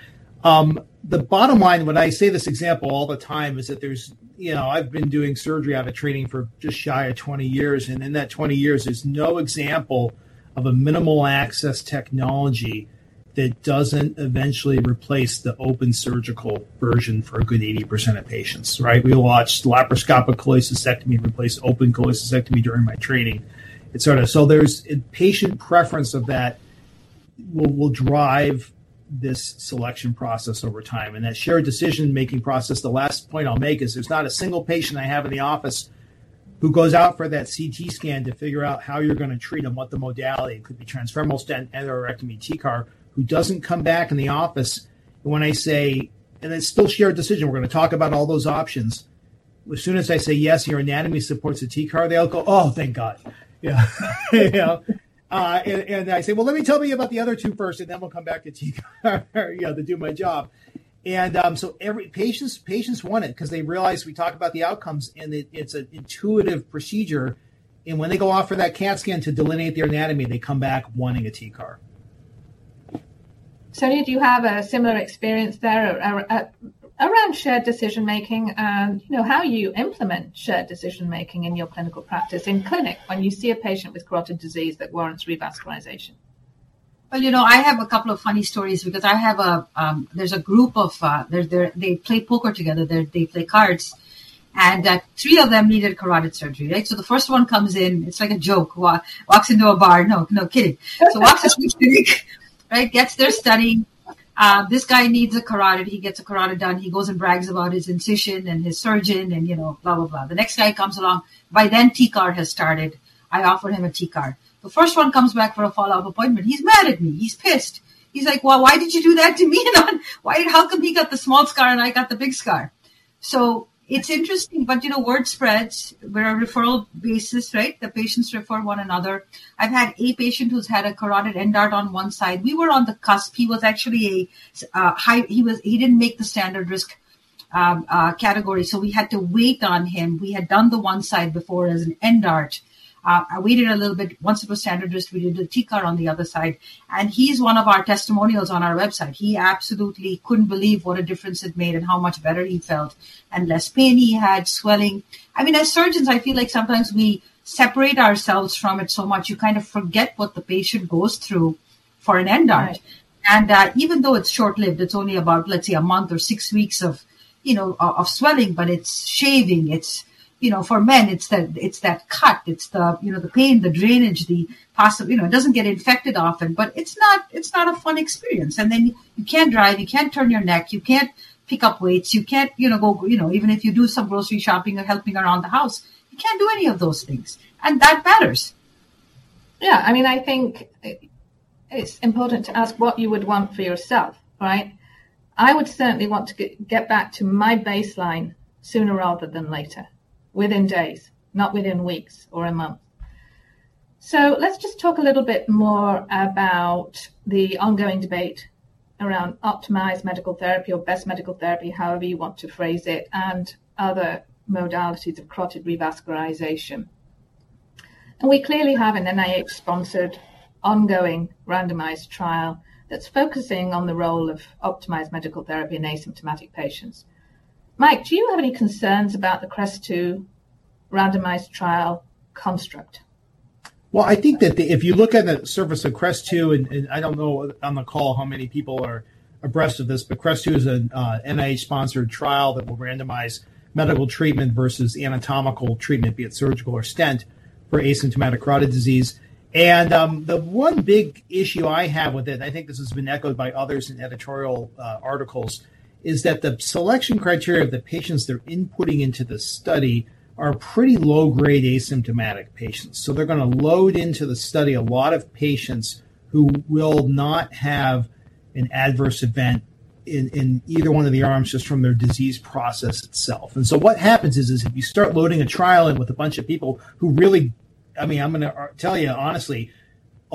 The bottom line, when I say this example all the time, is that there's. You know, I've been doing surgery, I've been training for just shy of 20 years, and in that 20 years, there's no example of a minimal access technology that doesn't eventually replace the open surgical version for a good 80% of patients, right? We watched laparoscopic cholecystectomy replace open cholecystectomy during my training. There's a patient preference that will drive this selection process over time, and that shared decision-making process. The last point I'll make is there's not a single patient I have in the office who goes out for that CT scan to figure out how you're going to treat them, what the modality could be, transfemoral stent, endarterectomy, TCAR, who doesn't come back in the office when I say. It's still a shared decision. We're going to talk about all those options. As soon as I say, "Yes, your anatomy supports a TCAR," they all go, "Oh, thank God!" Yeah. You know, I say, "Well, let me tell you about the other two first, and then we'll come back to TCAR," you know, to do my job. Patients want it because they realize we talk about the outcomes, and it's an intuitive procedure, and when they go off for that CT scan to delineate their anatomy, they come back wanting a TCAR. Sonia, do you have a similar experience there, around shared decision-making? You know, how you implement shared decision-making in your clinical practice in clinic when you see a patient with carotid disease that warrants revascularization? You know, I have a couple of funny stories because I have a, there's a group of, they play poker together, they play cards, and three of them needed carotid surgery, right? The 1st one comes in, it's like a joke. Walks into a bar... No, no, kidding. Walks into his clinic, right, gets their study. This guy needs a carotid. He gets a carotid done. He goes and brags about his incision and his surgeon, and, you know, blah, blah. The next guy comes along. By then, TCAR has started. I offered him a TCAR. The 1st one comes back for a follow-up appointment. He's mad at me. He's pissed. He's like: "Well, why did you do that to me? How come he got the small scar and I got the big scar?" It's interesting, but, you know, word spreads. We're a referral basis, right? The patients refer one another. I've had a patient who's had a carotid endart on one side. We were on the cusp. He was actually a high... He didn't make the standard risk category, so we had to wait on him. We had done the one side before as an endart. We did a little bit. Once it was standard risk, we did the TCAR on the other side, and he's one of our testimonials on our website. He absolutely couldn't believe what a difference it made and how much better he felt, and less pain he had, swelling. I mean, as surgeons, I feel like sometimes we separate ourselves from it so much you kind of forget what the patient goes through for an endart. Right. Even though it's short-lived, it's only about, let's say, a month or six weeks of, you know, of swelling, but it's shaving. It's, you know, for men, it's that, it's that cut, it's the, you know, the pain, the drainage. You know, it doesn't get infected often, but it's not, it's not a fun experience, and then you can't drive, you can't turn your neck, you can't pick up weights, you can't, you know, go. You know, even if you do some grocery shopping or helping around the house, you can't do any of those things, and that matters. I mean, I think it's important to ask what you would want for yourself, right? I would certainly want to get back to my baseline sooner rather than later, within days, not within weeks or a month. Let's just talk a little bit more about the ongoing debate around optimized medical therapy or best medical therapy, however you want to phrase it, and other modalities of carotid revascularization. We clearly have an NIH-sponsored, ongoing randomized trial that's focusing on the role of optimized medical therapy in asymptomatic patients. Mike, do you have any concerns about the CREST-2 randomized trial construct? Well, I think that if you look at the surface of CREST-2, I don't know on the call how many people are abreast of this, but CREST-2 is an NIH-sponsored trial that will randomize medical treatment versus anatomical treatment, be it surgical or stent, for asymptomatic carotid disease. The one big issue I have with it, I think this has been echoed by others in editorial articles, is that the selection criteria of the patients they're inputting into the study are pretty low-grade asymptomatic patients. They're going to load into the study a lot of patients who will not have an adverse event in either one of the arms, just from their disease process itself. What happens is if you start loading a trial in with a bunch of people who really... I mean, I'm going to tell you honestly,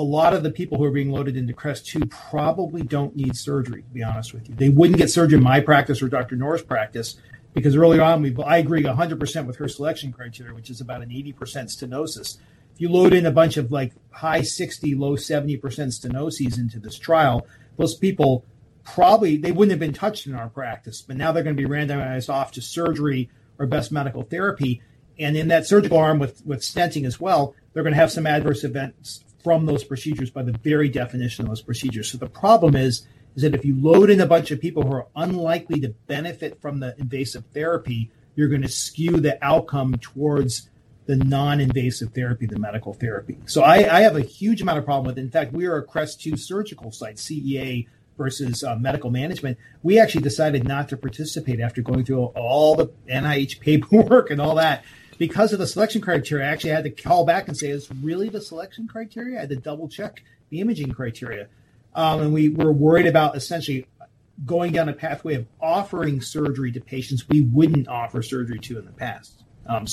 a lot of the people who are being loaded into CREST-2 probably don't need surgery, to be honest with you. They wouldn't get surgery in my practice or Dr. Noor's practice, because early on, I agree 100% with her selection criteria, which is about an 80% stenosis. If you load in a bunch of, like, high 60%, low 70% stenoses into this trial, those people, probably they wouldn't have been touched in our practice, but now they're going to be randomized off to surgery or best medical therapy. In that surgical arm with stenting as well, they're going to have some adverse events from those procedures by the very definition of those procedures. The problem is that if you load in a bunch of people who are unlikely to benefit from the invasive therapy, you're going to skew the outcome towards the non-invasive therapy, the medical therapy. I have a huge amount of problem with it. In fact, we are a CREST-2 surgical site, CEA versus medical management. We actually decided not to participate after going through all the NIH paperwork and all that because of the selection criteria. I actually had to call back and say, "Is this really the selection criteria?" I had to double-check the imaging criteria. We were worried about essentially going down a pathway of offering surgery to patients we wouldn't offer surgery to in the past.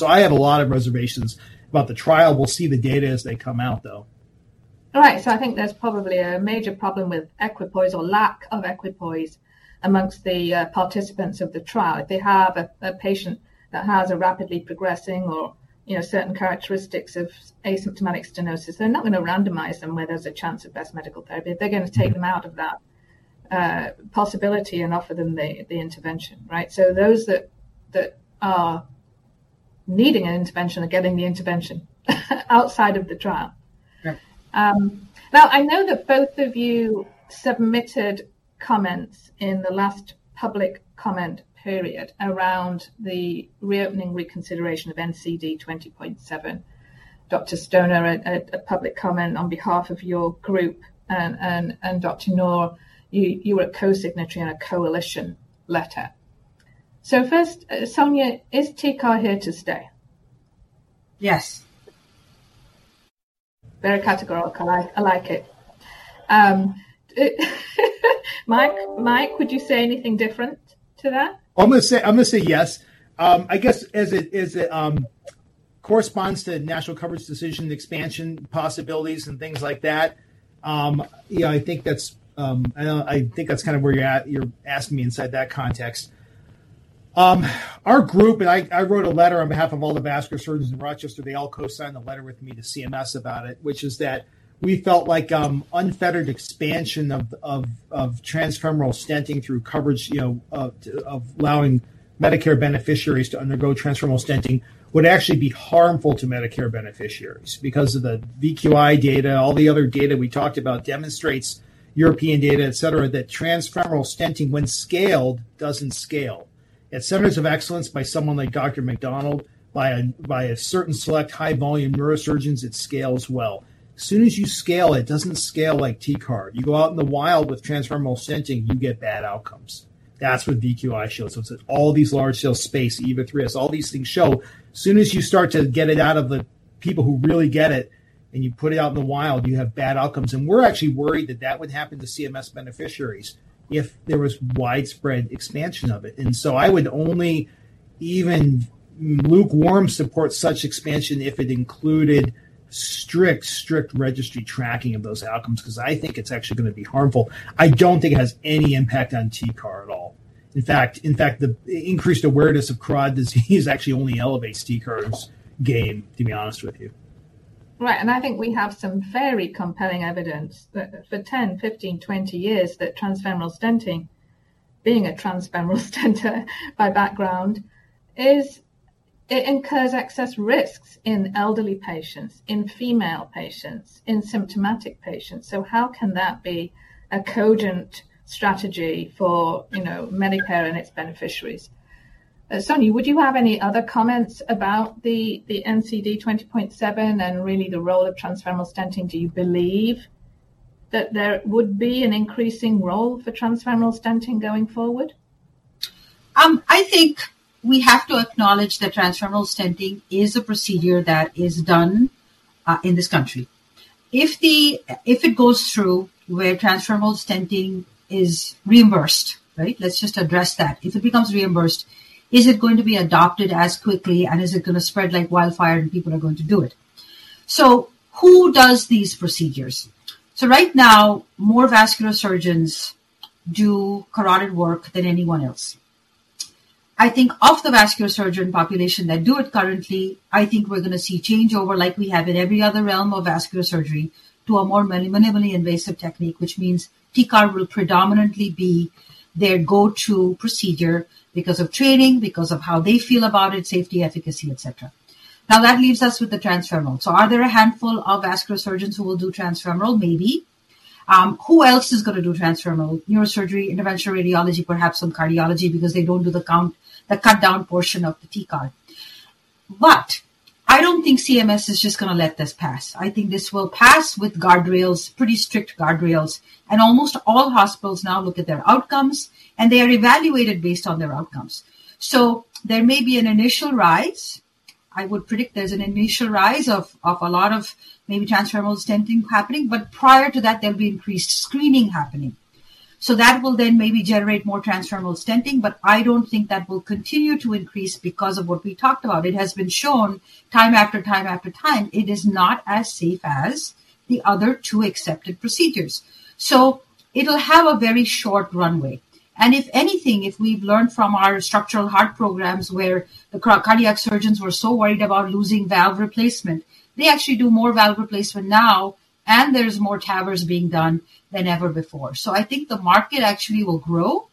I have a lot of reservations about the trial. We'll see the data as they come out, though. All right. I think there's probably a major problem with equipoise or lack of equipoise amongst the participants of the trial. If they have a patient that has a rapidly progressing or, you know, certain characteristics of asymptomatic stenosis, they're not going to randomize them where there's a chance of best medical therapy. They're going to take them out of that possibility and offer them the intervention, right? Those that are needing an intervention are getting the intervention, outside of the trial. Yeah. I know that both of you submitted comments in the last public comment period around the reopening reconsideration of NCD 20.7. Dr. Stoner, a public comment on behalf of your group, and Dr. Noor, you were a co-signatory on a coalition letter. First, Sonya, is TCAR here to stay? Yes. Very categorical. I like it. Mike, would you say anything different to that? I'm going to say yes. I guess as it corresponds to national coverage decision, expansion, possibilities, and things like that, yeah, I think that's I think that's kind of where you're at, you're asking me inside that context. Our group, and I wrote a letter on behalf of all the vascular surgeons in Rochester. They all co-signed the letter with me to CMS about it, which is that we felt like unfettered expansion of transfemoral stenting through coverage, you know, of allowing Medicare beneficiaries to undergo transfemoral stenting would actually be harmful to Medicare beneficiaries because of the VQI data. All the other data we talked about demonstrates European data, et cetera, that transfemoral stenting, when scaled, doesn't scale.... At centers of excellence by someone like Dr. Macdonald, by a certain select high-volume neurosurgeons, it scales well. As soon as you scale, it doesn't scale like TCAR. You go out in the wild with transfemoral stenting, you get bad outcomes. That's what VQI shows. It's all these large scale SPACE, EVA3S, all these things show. As soon as you start to get it out of the people who really get it, and you put it out in the wild, you have bad outcomes. We're actually worried that that would happen to CMS beneficiaries if there was widespread expansion of it. I would only even lukewarm support such expansion if it included strict registry tracking of those outcomes, because I think it's actually going to be harmful. I don't think it has any impact on TCAR at all. In fact, the increased awareness of CRAD disease actually only elevates TCAR's gain, to be honest with you. Right. I think we have some very compelling evidence that for 10, 15, 20 years, that transfemoral stenting, being a transfemoral stenter by background, it incurs excess risks in elderly patients, in female patients, in symptomatic patients. How can that be a cogent strategy for, you know, Medicare and its beneficiaries? Sonya, would you have any other comments about the NCD 20.7 and really the role of transfemoral stenting? Do you believe that there would be an increasing role for transfemoral stenting going forward? I think we have to acknowledge that transfemoral stenting is a procedure that is done in this country. If it goes through, where transfemoral stenting is reimbursed, right? Let's just address that. If it becomes reimbursed, is it going to be adopted as quickly, and is it going to spread like wildfire, and people are going to do it? Who does these procedures? Right now, more vascular surgeons do carotid work than anyone else. I think of the vascular surgeon population that do it currently, I think we're going to see changeover like we have in every other realm of vascular surgery, to a more minimally invasive technique, which means TCAR will predominantly be their go-to procedure because of training, because of how they feel about it, safety, efficacy, et cetera. That leaves us with the transfemoral. Are there a handful of vascular surgeons who will do transfemoral? Maybe. Who else is going to do transfemoral? Neurosurgery, interventional radiology, perhaps some cardiology, because they don't do the cutdown portion of the TCAR. I don't think CMS is just going to let this pass. I think this will pass with guardrails, pretty strict guardrails, and almost all hospitals now look at their outcomes, and they are evaluated based on their outcomes. There may be an initial rise. I would predict there's an initial rise of a lot of maybe transfemoral stenting happening, but prior to that, there'll be increased screening happening. That will then maybe generate more transfemoral stenting, but I don't think that will continue to increase because of what we talked about. It has been shown time after time after time, it is not as safe as the other two accepted procedures. It'll have a very short runway. If anything, if we've learned from our structural heart programs, where the cardiac surgeons were so worried about losing valve replacement, they actually do more valve replacement now, and there's more TAVR being done than ever before. I think the market actually will grow.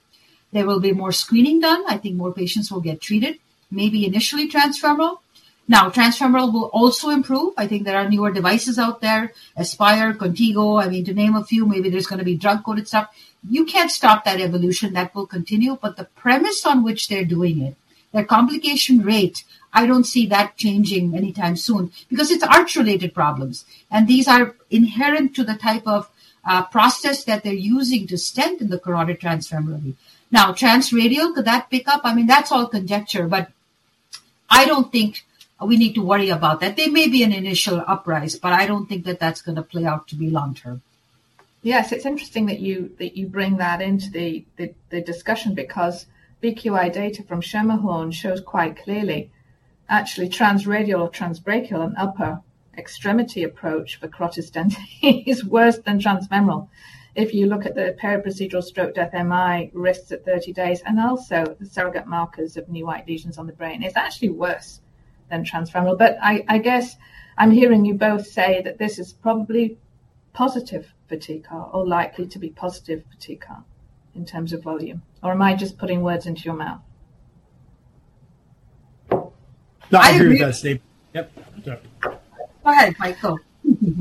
There will be more screening done. I think more patients will get treated, maybe initially transfemoral. Now, transfemoral will also improve. I think there are newer devices out there, ASPIRE, Contigo, I mean, to name a few. Maybe there's going to be drug-coated stuff. You can't stop that evolution. That will continue. The premise on which they're doing it, the complication rate, I don't see that changing anytime soon because it's arch-related problems, and these are inherent to the type of process that they're using to stent in the carotid transfemoral. Transradial, could that pick up? I mean, that's all conjecture, but I don't think we need to worry about that. There may be an initial uprise, but I don't think that that's going to play out to be long term. Yes, it's interesting that you bring that into the discussion because VQI data from Schermerhorn shows quite clearly, actually, transradial or transbrachial and upper extremity approach for carotid stenting is worse than transfemoral. If you look at the periprocedural stroke death MI risks at 30 days, and also the surrogate markers of new white lesions on the brain, it's actually worse than transfemoral. I guess I'm hearing you both say that this is probably positive for TCAR or likely to be positive for TCAR in terms of volume, or am I just putting words into your mouth? No, I agree with that, Steve. Yep. Go ahead, Michael.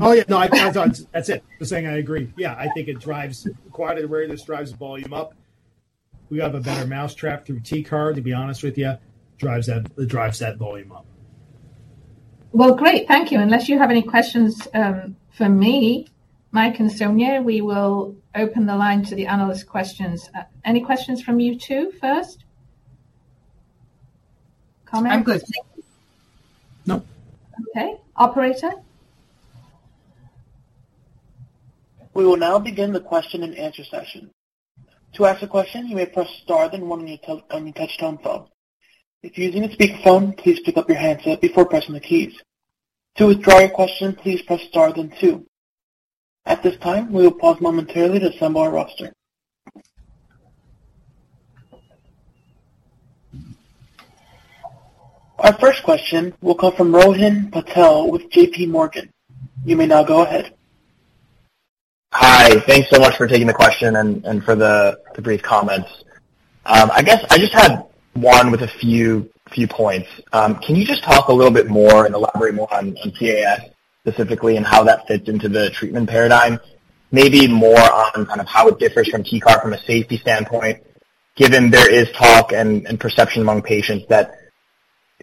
Oh, yeah. I thought, that's it. Just saying I agree. I think it drives-- quite aware this drives volume up. We have a better mousetrap through TCAR, to be honest with you, it drives that volume up. Well, great. Thank you. Unless you have any questions, for me, Mike and Sonya, we will open the line to the analyst questions. Any questions from you two first? Comments? I'm good. Thank you. Nope. Okay, operator? We will now begin the question and answer session. To ask a question, you may press star then one on your touchtone phone. If you're using a speakerphone, please pick up your handset before pressing the keys. To withdraw your question, please press star then two. At this time, we will pause momentarily to assemble our roster. Our first question will come from Rohin Patel with JPMorgan. You may now go ahead. Hi, thanks so much for taking the question and for the brief comments. I guess I just had one with a few points. Can you just talk a little bit more and elaborate more on PAS specifically and how that fits into the treatment paradigm? Maybe more on kind of how it differs from TCAR from a safety standpoint, given there is talk and perception among patients that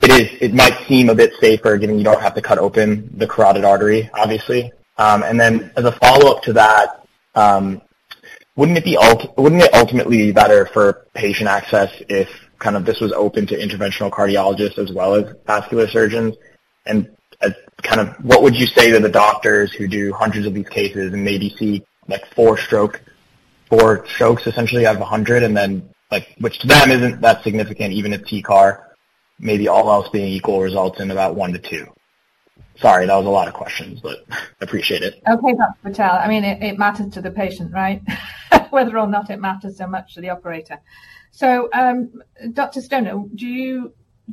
it might seem a bit safer, given you don't have to cut open the carotid artery, obviously. And then as a follow-up to that, wouldn't it ultimately be better for patient access if kind of this was open to interventional cardiologists as well as vascular surgeons? Kind of what would you say to the doctors who do hundreds of these cases and maybe see, like, four strokes essentially out of 100, and then, like, which to them isn't that significant, even if TCAR, maybe all else being equal, results in about one to two? Sorry, that was a lot of questions. Appreciate it. Okay, Dr. Patel. I mean, it matters to the patient, right? Whether or not it matters so much to the operator. Dr. Stoner, do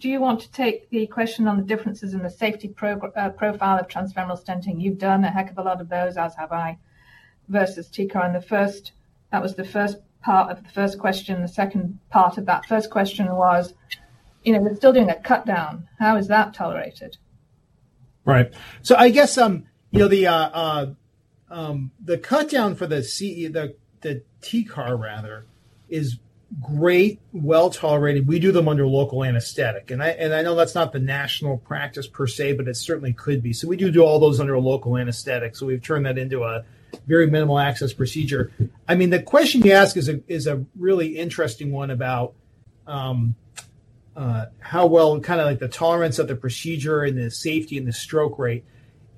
you want to take the question on the differences in the safety profile of transfemoral stenting? You've done a heck of a lot of those, as have I, versus TCAR. That was the first part of the first question. The second part of that first question was, you know, we're still doing a cut-down. How is that tolerated? Right. I guess, you know, the cut-down for the CE, the TCAR, rather, is great, well-tolerated. We do them under local anesthetic. I know that's not the national practice per se, but it certainly could be. We do all those under a local anesthetic, so we've turned that into a very minimal access procedure. I mean, the question you ask is a really interesting one about how well, kind of like the tolerance of the procedure and the safety and the stroke rate.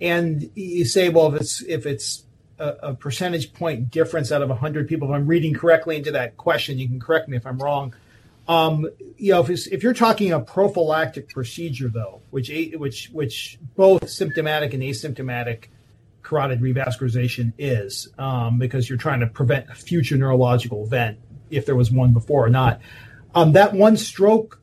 You say, well, if it's a percentage point difference out of 100 people, if I'm reading correctly into that question, you can correct me if I'm wrong. You know, if you're talking a prophylactic procedure, though, which both symptomatic and asymptomatic carotid revascularization is, because you're trying to prevent a future neurological event if there was one before or not. That one stroke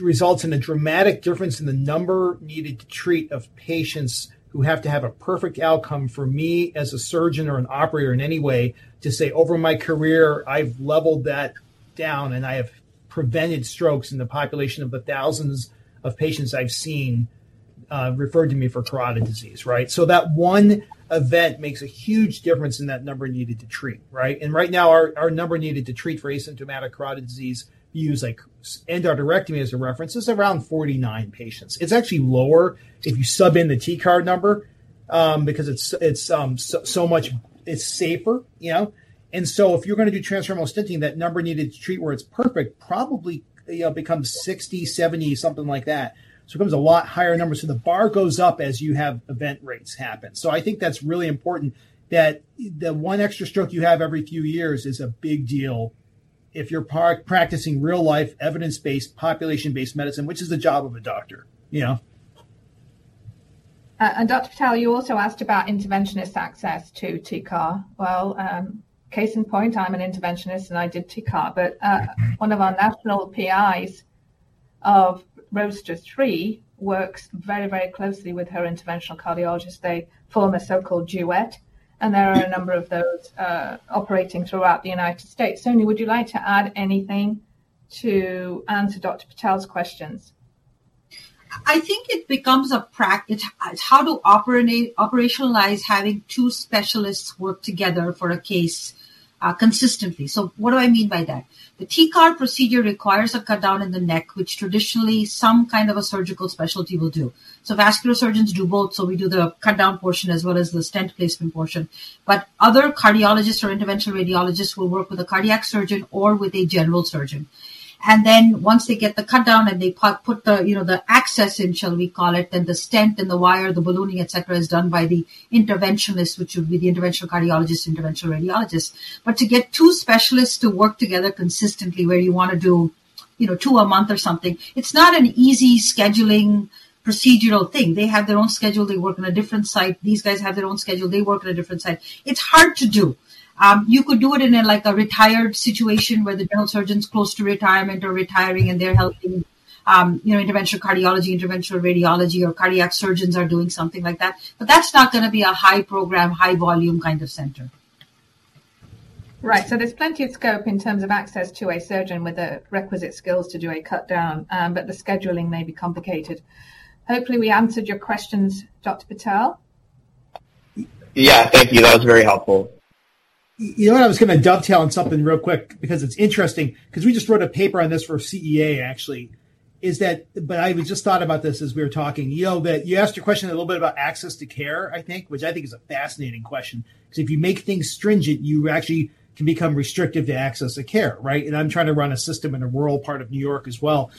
results in a dramatic difference in the Number Needed to Treat of patients who have to have a perfect outcome for me as a surgeon or an operator in any way to say, over my career, I've leveled that down, and I have prevented strokes in the population of the thousands of patients I've seen, referred to me for carotid disease, right? That one event makes a huge difference in that Number Needed to Treat, right? Right now, our Number Needed to Treat for asymptomatic carotid disease, we use, like, endarterectomy as a reference. It's around 49 patients. It's actually lower if you sub in the TCAR number, because it's so much, it's safer, you know. If you're going to do transfemoral stenting, that Number Needed to Treat where it's perfect probably, you know, becomes 60, 70, something like that. It becomes a lot higher number, so the bar goes up as you have event rates happen. I think that's really important, that the one extra stroke you have every few years is a big deal if you're practicing real-life, evidence-based, population-based medicine, which is the job of a doctor, you know? Dr. Patel, you also asked about interventionist access to TCAR. Well, case in point, I'm an interventionist, and I did TCAR, but one of our national PIs of ROADSTER 3 works very, very closely with her interventional cardiologist. They form a so-called duet, and there are a number of those operating throughout the United States. Soni, would you like to add anything to answer Dr. Patel's questions? I think it becomes It's how to operationalize having two specialists work together for a case consistently. What do I mean by that? The TCAR procedure requires a cut-down in the neck, which traditionally some kind of a surgical specialty will do. Vascular surgeons do both, so we do the cut-down portion as well as the stent placement portion. Other cardiologists or interventional radiologists will work with a cardiac surgeon or with a general surgeon. Once they get the cut-down and they put the, you know, the access in, shall we call it, then the stent and the wire, the ballooning, et cetera, is done by the interventionalist, which would be the interventional cardiologist, interventional radiologist. To get two specialists to work together consistently where you want to do, you know, two a month or something, it's not an easy scheduling procedural thing. They have their own schedule, they work on a different site. These guys have their own schedule, they work on a different site. It's hard to do. You could do it in a, like, a retired situation where the general surgeon's close to retirement or retiring, and they're helping, you know, interventional cardiology, interventional radiology, or cardiac surgeons are doing something like that. That's not going to be a high-program, high-volume kind of center. Right. There's plenty of scope in terms of access to a surgeon with the requisite skills to do a cut-down, but the scheduling may be complicated. Hopefully, we answered your questions, Dr. Patel. Yeah. Thank you. That was very helpful. You know what, I was going to dovetail on something real quick because it's interesting, because we just wrote a paper on this for CEA, actually, is that. I just thought about this as we were talking. You know, that you asked a question a little bit about access to care, I think, which I think is a fascinating question, because if you make things stringent, you actually can become restrictive to access of care, right? I'm trying to run a system in a rural part of New York as well.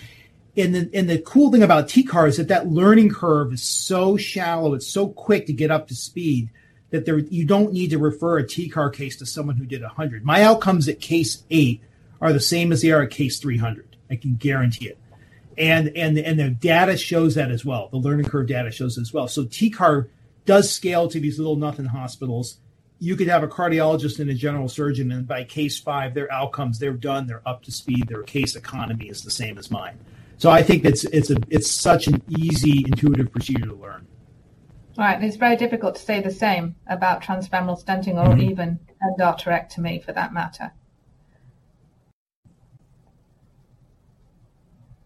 The cool thing about TCAR is that that learning curve is so shallow, it's so quick to get up to speed, you don't need to refer a TCAR case to someone who did 100. My outcomes at case eight are the same as they are at case 300. I can guarantee it. The data shows that as well. The learning curve data shows as well. TCAR does scale to these little nothing hospitals. You could have a cardiologist and a general surgeon, and by case five, their outcomes, they're done, they're up to speed, their case economy is the same as mine. I think it's a, it's such an easy, intuitive procedure to learn. Right. It's very difficult to say the same about transfemoral stenting. Mm-hmm. Even endarterectomy, for that matter.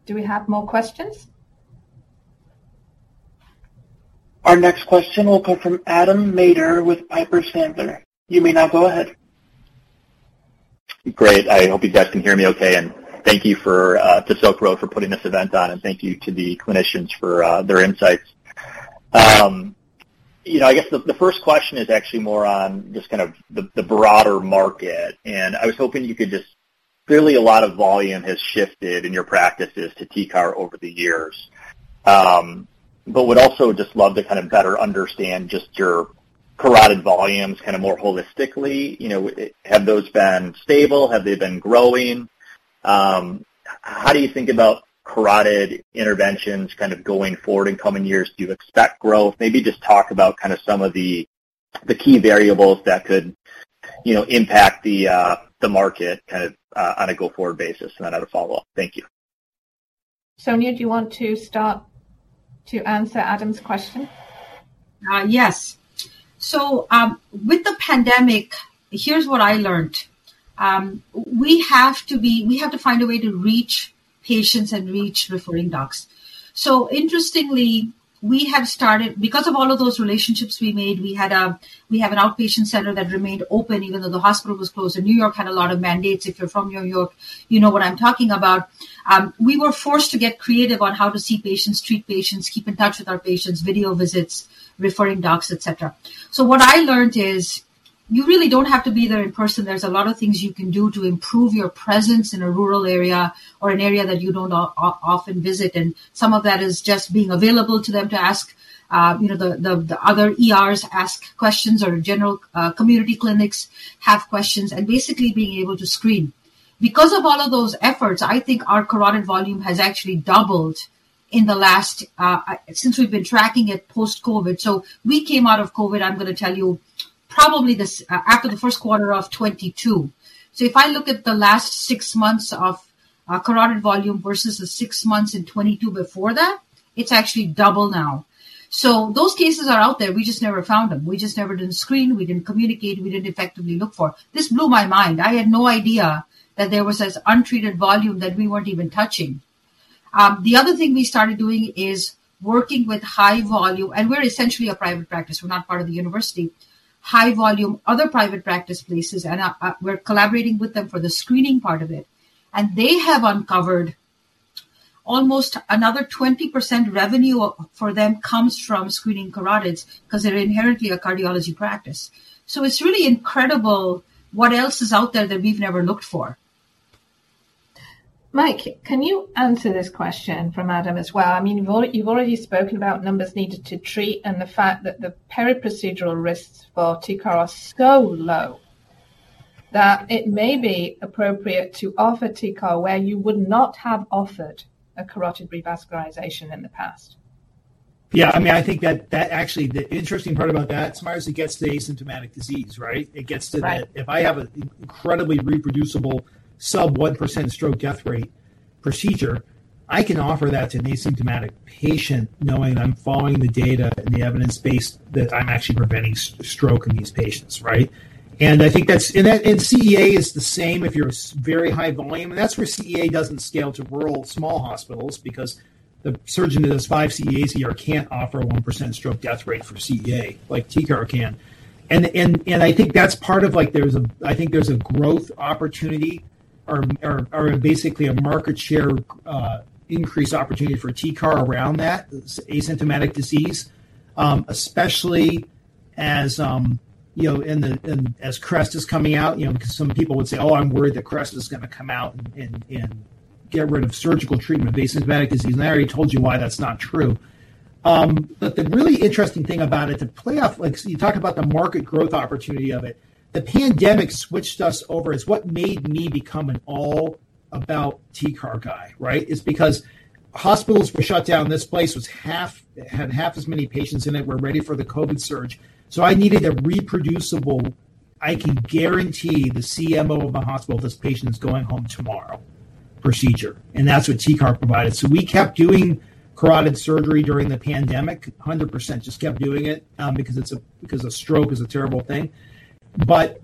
Do we have more questions? Our next question will come from Adam Maeder with Piper Sandler. You may now go ahead. Great. I hope you guys can hear me okay. Thank you for to Silk Road for putting this event on. Thank you to the clinicians for their insights. You know, I guess the first question is actually more on just kind of the broader market. I was hoping you could just clearly, a lot of volume has shifted in your practices to TCAR over the years. Would also just love to kind of better understand just your carotid volumes kind of more holistically. You know, have those been stable? Have they been growing? How do you think about carotid interventions kind of going forward in coming years? Do you expect growth? Maybe just talk about kind of some of the key variables that could, you know, impact the market kind of on a go-forward basis, and then I have a follow-up. Thank you. Sonya, do you want to start to answer Adam's question? Yes. With the pandemic, here's what I learned. We have to find a way to reach patients and reach referring docs. Interestingly, we have started. Because of all of those relationships we made, we have an outpatient center that remained open even though the hospital was closed, and New York had a lot of mandates. If you're from New York, you know what I'm talking about. We were forced to get creative on how to see patients, treat patients, keep in touch with our patients, video visits, referring docs, et cetera. What I learned is, you really don't have to be there in person. There's a lot of things you can do to improve your presence in a rural area or an area that you don't often visit, and some of that is just being available to them to ask, you know, the other ERs ask questions or general community clinics have questions, and basically being able to screen. Because of all of those efforts, I think our carotid volume has actually doubled in the last since we've been tracking it post-COVID. We came out of COVID, I'm going to tell you, probably this after the 1st quarter of 22. If I look at the last six months of our carotid volume versus the six months in 22 before that, it's actually double now. Those cases are out there. We just never found them. We just never did screen, we didn't communicate, we didn't effectively look for. This blew my mind. I had no idea that there was this untreated volume that we weren't even touching. The other thing we started doing is working with high volume, and we're essentially a private practice, we're not part of the university. High volume, other private practice places, and we're collaborating with them for the screening part of it. They have uncovered almost another 20% revenue for them comes from screening carotids because they're inherently a cardiology practice. It's really incredible what else is out there that we've never looked for. Mike, can you answer this question from Adam as well? I mean, you've already spoken about Number Needed to Treat and the fact that the periprocedural risks for TCAR are so low that it may be appropriate to offer TCAR, where you would not have offered a carotid revascularization in the past. Yeah, I mean, I think that actually, the interesting part about that, as far as it gets to the asymptomatic disease, right? It gets to that. Right. If I have an incredibly reproducible sub 1% stroke death rate procedure, I can offer that to an asymptomatic patient, knowing I'm following the data and the evidence base that I'm actually preventing stroke in these patients, right? I think that's. That, and CEA is the same if you're very high volume. That's where CEA doesn't scale to rural small hospitals because the surgeon who does five CEAs a year can't offer a 1% stroke death rate for CEA like TCAR can. I think that's part of, like, I think there's a growth opportunity or basically a market share increase opportunity for TCAR around that asymptomatic disease. especially as, you know, and then, as CREST-2 is coming out, you know, because some people would say, "I'm worried that CREST-2 is going to come out and get rid of surgical treatment of asymptomatic disease." I already told you why that's not true. The really interesting thing about it, to play off, like, you talk about the market growth opportunity of it. The pandemic switched us over. It's what made me become an all about TCAR guy, right? Is because hospitals were shut down. This place had half as many patients in it, were ready for the COVID surge. I needed a reproducible, I can guarantee the CMO of the hospital, this patient is going home tomorrow, procedure, and that's what TCAR provided. We kept doing carotid surgery during the pandemic, 100% just kept doing it because a stroke is a terrible thing.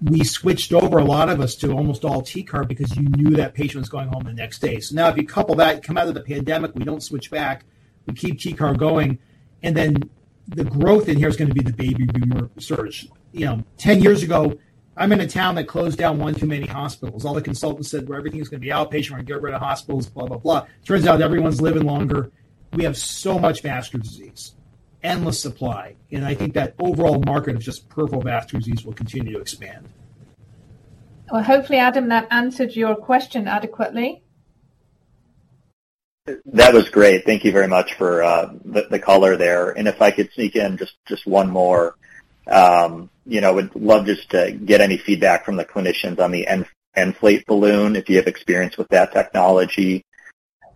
We switched over a lot of us to almost all TCAR because you knew that patient was going home the next day. Now, if you couple that, come out of the pandemic, we don't switch back, we keep TCAR going, and then the growth in here is going to be the baby boomer surge. You know, 10 years ago, I'm in a town that closed down one too many hospitals. All the consultants said, "Well, everything is going to be outpatient. We're going to get rid of hospitals," blah, blah. Turns out everyone's living longer. We have so much vascular disease, endless supply, and I think that overall market of just peripheral vascular disease will continue to expand. Well, hopefully, Adam, that answered your question adequately. That was great. Thank you very much for the color there. If I could sneak in just one more, you know, would love just to get any feedback from the clinicians on the ENFLATE Balloon, if you have experience with that technology.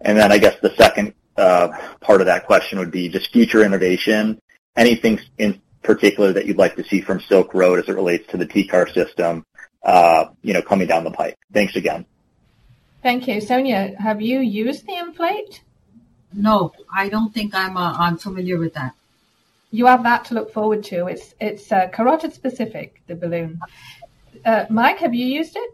Then I guess the second part of that question would be just future innovation. Anything in particular that you'd like to see from Silk Road as it relates to the TCAR system, you know, coming down the pipe? Thanks again. Thank you. Sonya, have you used the ENFLATE? No, I don't think I'm familiar with that. you have that to look forward to. It's carotid specific, the balloon. Mike, have you used it?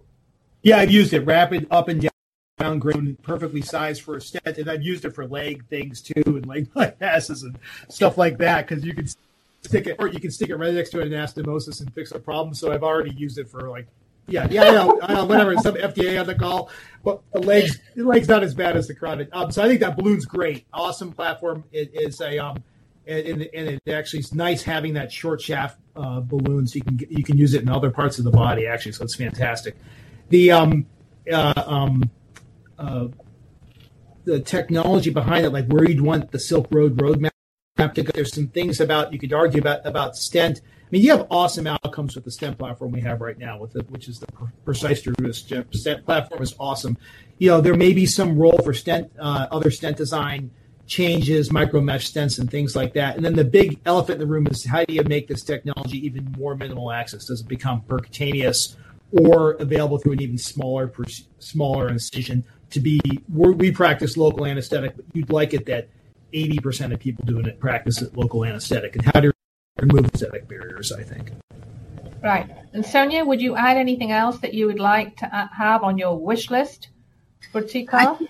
Yeah, I've used it. Rapid, up and down, ground, perfectly sized for a stent. I've used it for leg things, too, and leg bypasses and stuff like that, because you can stick it, or you can stick it right next to an anastomosis and fix a problem. I've already used it for, like... Yeah, yeah, I know. I know, whatever, some FDA on the call, the leg's not as bad as the carotid. I think that balloon's great. Awesome platform. It is a and it actually is nice having that short shaft balloon, you can use it in other parts of the body, actually, it's fantastic. The technology behind it, like, where you'd want the Silk Road roadmap to go, there's some things you could argue about stent. I mean, you have awesome outcomes with the stent platform we have right now, which is the PRECISE Stent platform is awesome. You know, there may be some role for stent, other stent design changes, micromesh stents, and things like that. Then the big elephant in the room is: how do you make this technology even more minimal access? Does it become percutaneous or available through an even smaller incision? We practice local anesthetic, but you'd like it that 80% of people doing it practice it local anesthetic. How do you remove anesthetic barriers, I think. Right. Sonya, would you add anything else that you would like to have on your wish list for TCAR?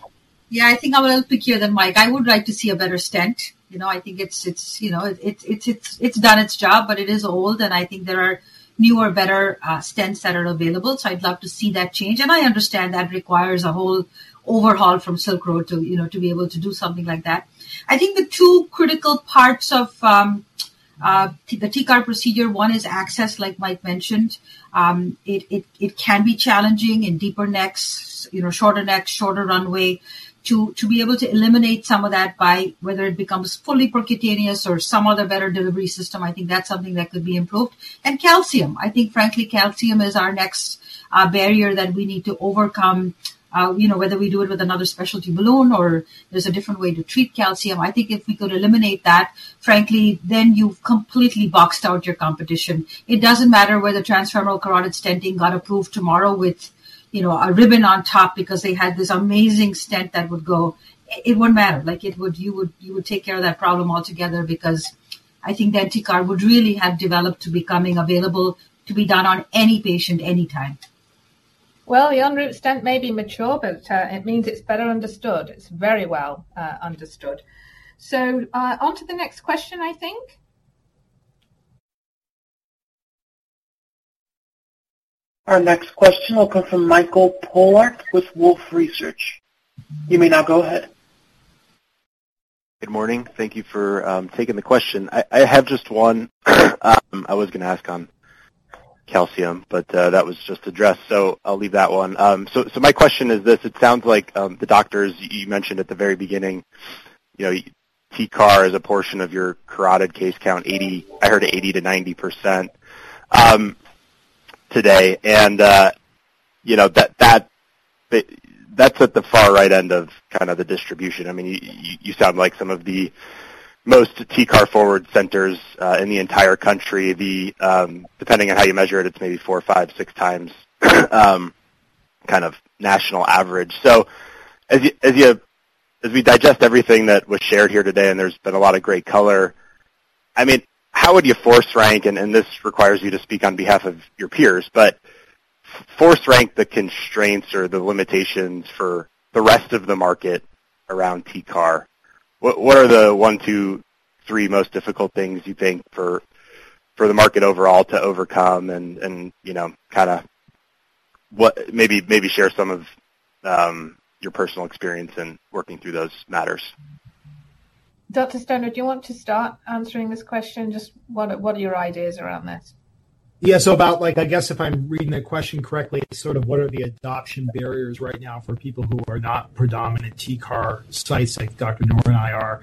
Yeah, I think I will pick here than Mike. I would like to see a better stent. You know, I think it's, you know, it's done its job, but it is old, and I think there are newer, better stents that are available. I'd love to see that change. I understand that requires a whole overhaul from Silk Road to, you know, to be able to do something like that. I think the two critical parts of the TCAR procedure, one is access, like Mike mentioned. It can be challenging in deeper necks, you know, shorter necks, shorter runway. To be able to eliminate some of that by whether it becomes fully percutaneous or some other better delivery system, I think that's something that could be improved. Calcium. I think, frankly, calcium is our next barrier that we need to overcome. You know, whether we do it with another specialty balloon or there's a different way to treat calcium. I think if we could eliminate that, frankly, then you've completely boxed out your competition. It doesn't matter whether transfemoral carotid stenting got approved tomorrow with, you know, a ribbon on top because they had this amazing stent that would go. It wouldn't matter. Like, you would take care of that problem altogether because I think that TCAR would really have developed to becoming available to be done on any patient, any time. The ENROUTE Stent may be mature, but it means it's better understood. It's very well understood. On to the next question, I think. Our next question will come from Mike Pollock with Wolfe Research. You may now go ahead. Good morning. Thank you for taking the question. I have just one. I was going to ask on calcium, but that was just addressed, so I'll leave that one. My question is this: It sounds like the doctors you mentioned at the very beginning, you know, TCAR is a portion of your carotid case count, I heard 80% to 90% today. You know, that's at the far right end of kind of the distribution. I mean, you sound like some of the most TCAR forward centers in the entire country. The depending on how you measure it's maybe four, five, six times kind of national average. As we digest everything that was shared here today, and there's been a lot of great color. I mean, how would you force rank, and this requires you to speak on behalf of your peers, but force rank the constraints or the limitations for the rest of the market around TCAR. What are the one, two, three most difficult things you think for the market overall to overcome? you know, kind of maybe share some of your personal experience in working through those matters? Dr. Stoner, do you want to start answering this question? Just what are your ideas around this? Yeah, so about, like, I guess if I'm reading the question correctly, sort of, what are the adoption barriers right now for people who are not predominant TCAR sites like Dr. Noor and I are?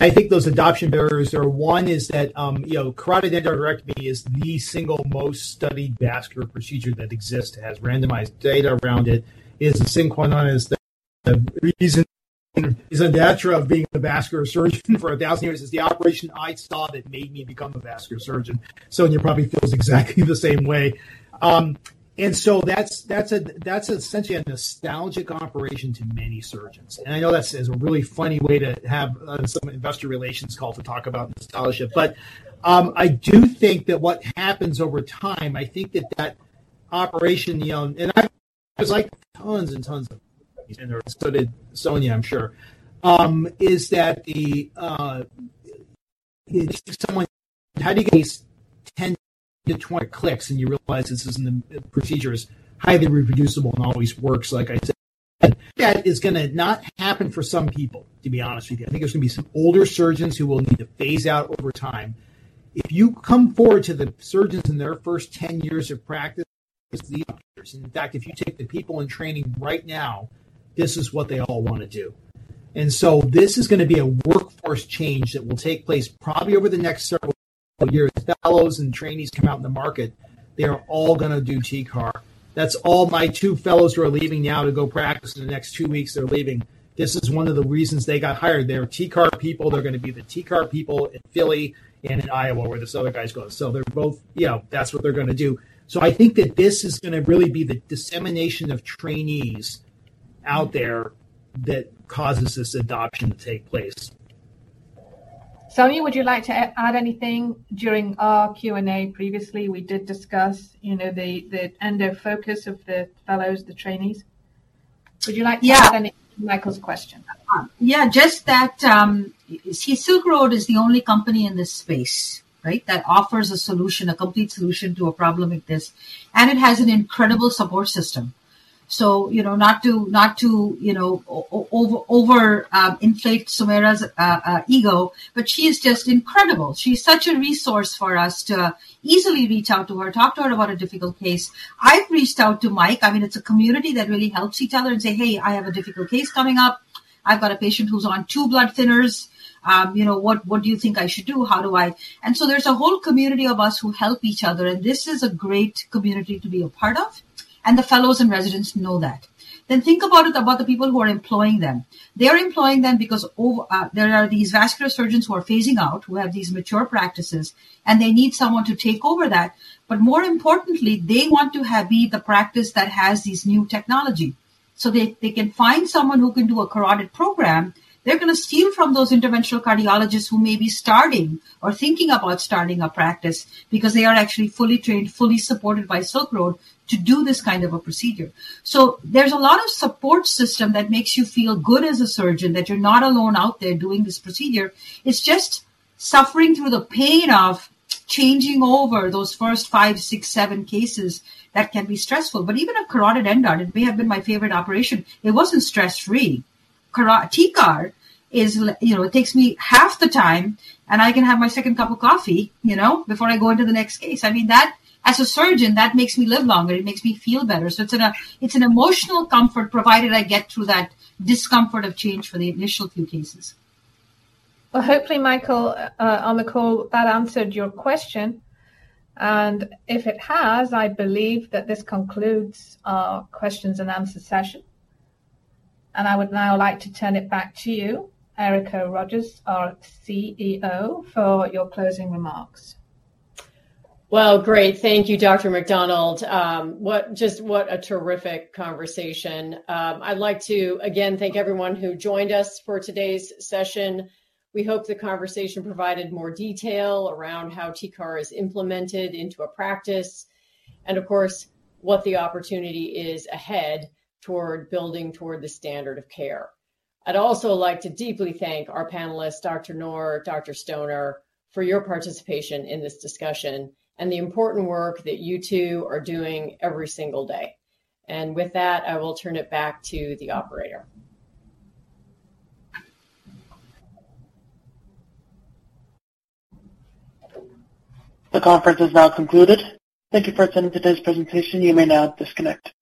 I think those adoption barriers are one, is that, you know, carotid endarterectomy is the single most studied vascular procedure that exists, has randomized data around it, is the sine qua non, is the reason, is the nature of being a vascular surgeon for 1,000 years, is the operation I thought that made me become a vascular surgeon. Sonya probably feels exactly the same way. So that's a, that's essentially a nostalgic operation to many surgeons. I know that's a really funny way to have some investor relations call to talk about nostalgia. I do think that what happens over time, I think that that operation, you know, there's like tons and tons of Sonya, I'm sure, is that someone, how do you get these 10 to 20 clicks and you realize this is in the procedure is highly reproducible and always works, like I said. That is gonna not happen for some people, to be honest with you. I think there's going to be some older surgeons who will need to phase out over time. If you come forward to the surgeons in their first 10 years of practice, these doctors, in fact, if you take the people in training right now, this is what they all want to do. This is going to be a workforce change that will take place probably over the next several years. Fellows and trainees come out in the market, they are all going to do TCAR. That's all my two fellows who are leaving now to go practice in the next two weeks, they're leaving. This is one of the reasons they got hired. They're TCAR people. They're going to be the TCAR people in Philly and in Iowa, where this other guy's going. They're both, you know, that's what they're going to do. I think that this is going to really be the dissemination of trainees out there that causes this adoption to take place? Soni, would you like to add anything? During our Q&A previously, we did discuss, you know, the end of focus of the fellows, the trainees. Would you like to? Yeah. Add anything to Michael's question? Yeah, just that, see, Silk Road is the only company in this SPACE, right? That offers a solution, a complete solution to a problem like this, and it has an incredible support system. You know, not to, you know, inflate Sumaira's ego, but she is just incredible. She's such a resource for us to easily reach out to her, talk to her about a difficult case. I've reached out to Mike. I mean, it's a community that really helps each other and say, "Hey, I have a difficult case coming up. I've got a patient who's on two blood thinners. You know, what do you think I should do? There's a whole community of us who help each other, and this is a great community to be a part of, and the fellows and residents know that. Think about it, about the people who are employing them. They're employing them because there are these vascular surgeons who are phasing out, who have these mature practices, and they need someone to take over that. More importantly, they want to be the practice that has this new technology. They can find someone who can do a carotid program. They're going to steal from those interventional cardiologists who may be starting or thinking about starting a practice because they are actually fully trained, fully supported by Silk Road to do this kind of a procedure. There's a lot of support system that makes you feel good as a surgeon, that you're not alone out there doing this procedure. It's just suffering through the pain of changing over those first five to six, seven cases, that can be stressful. Even a carotid endarterectomy, it may have been my favorite operation, it wasn't stress-free. TCAR is you know, it takes me half the time, and I can have my second cup of coffee, you know, before I go into the next case. I mean, that, as a surgeon, that makes me live longer. It makes me feel better. It's an emotional comfort, provided I get through that discomfort of change for the initial few cases. Well, hopefully, Michael, on the call, that answered your question. If it has, I believe that this concludes our questions and answer session. I would now like to turn it back to you, Erica Rogers, our CEO, for your closing remarks. Well, great. Thank you, Dr. Macdonald. Just what a terrific conversation. I'd like to again thank everyone who joined us for today's session. We hope the conversation provided more detail around how TCAR is implemented into a practice, and of course, what the opportunity is ahead toward building toward the standard of care. I'd also like to deeply thank our panelists, Dr. Noor, Dr. Stoner, for your participation in this discussion and the important work that you two are doing every single day. With that, I will turn it back to the operator. The conference is now concluded. Thank you for attending today's presentation. You may now disconnect.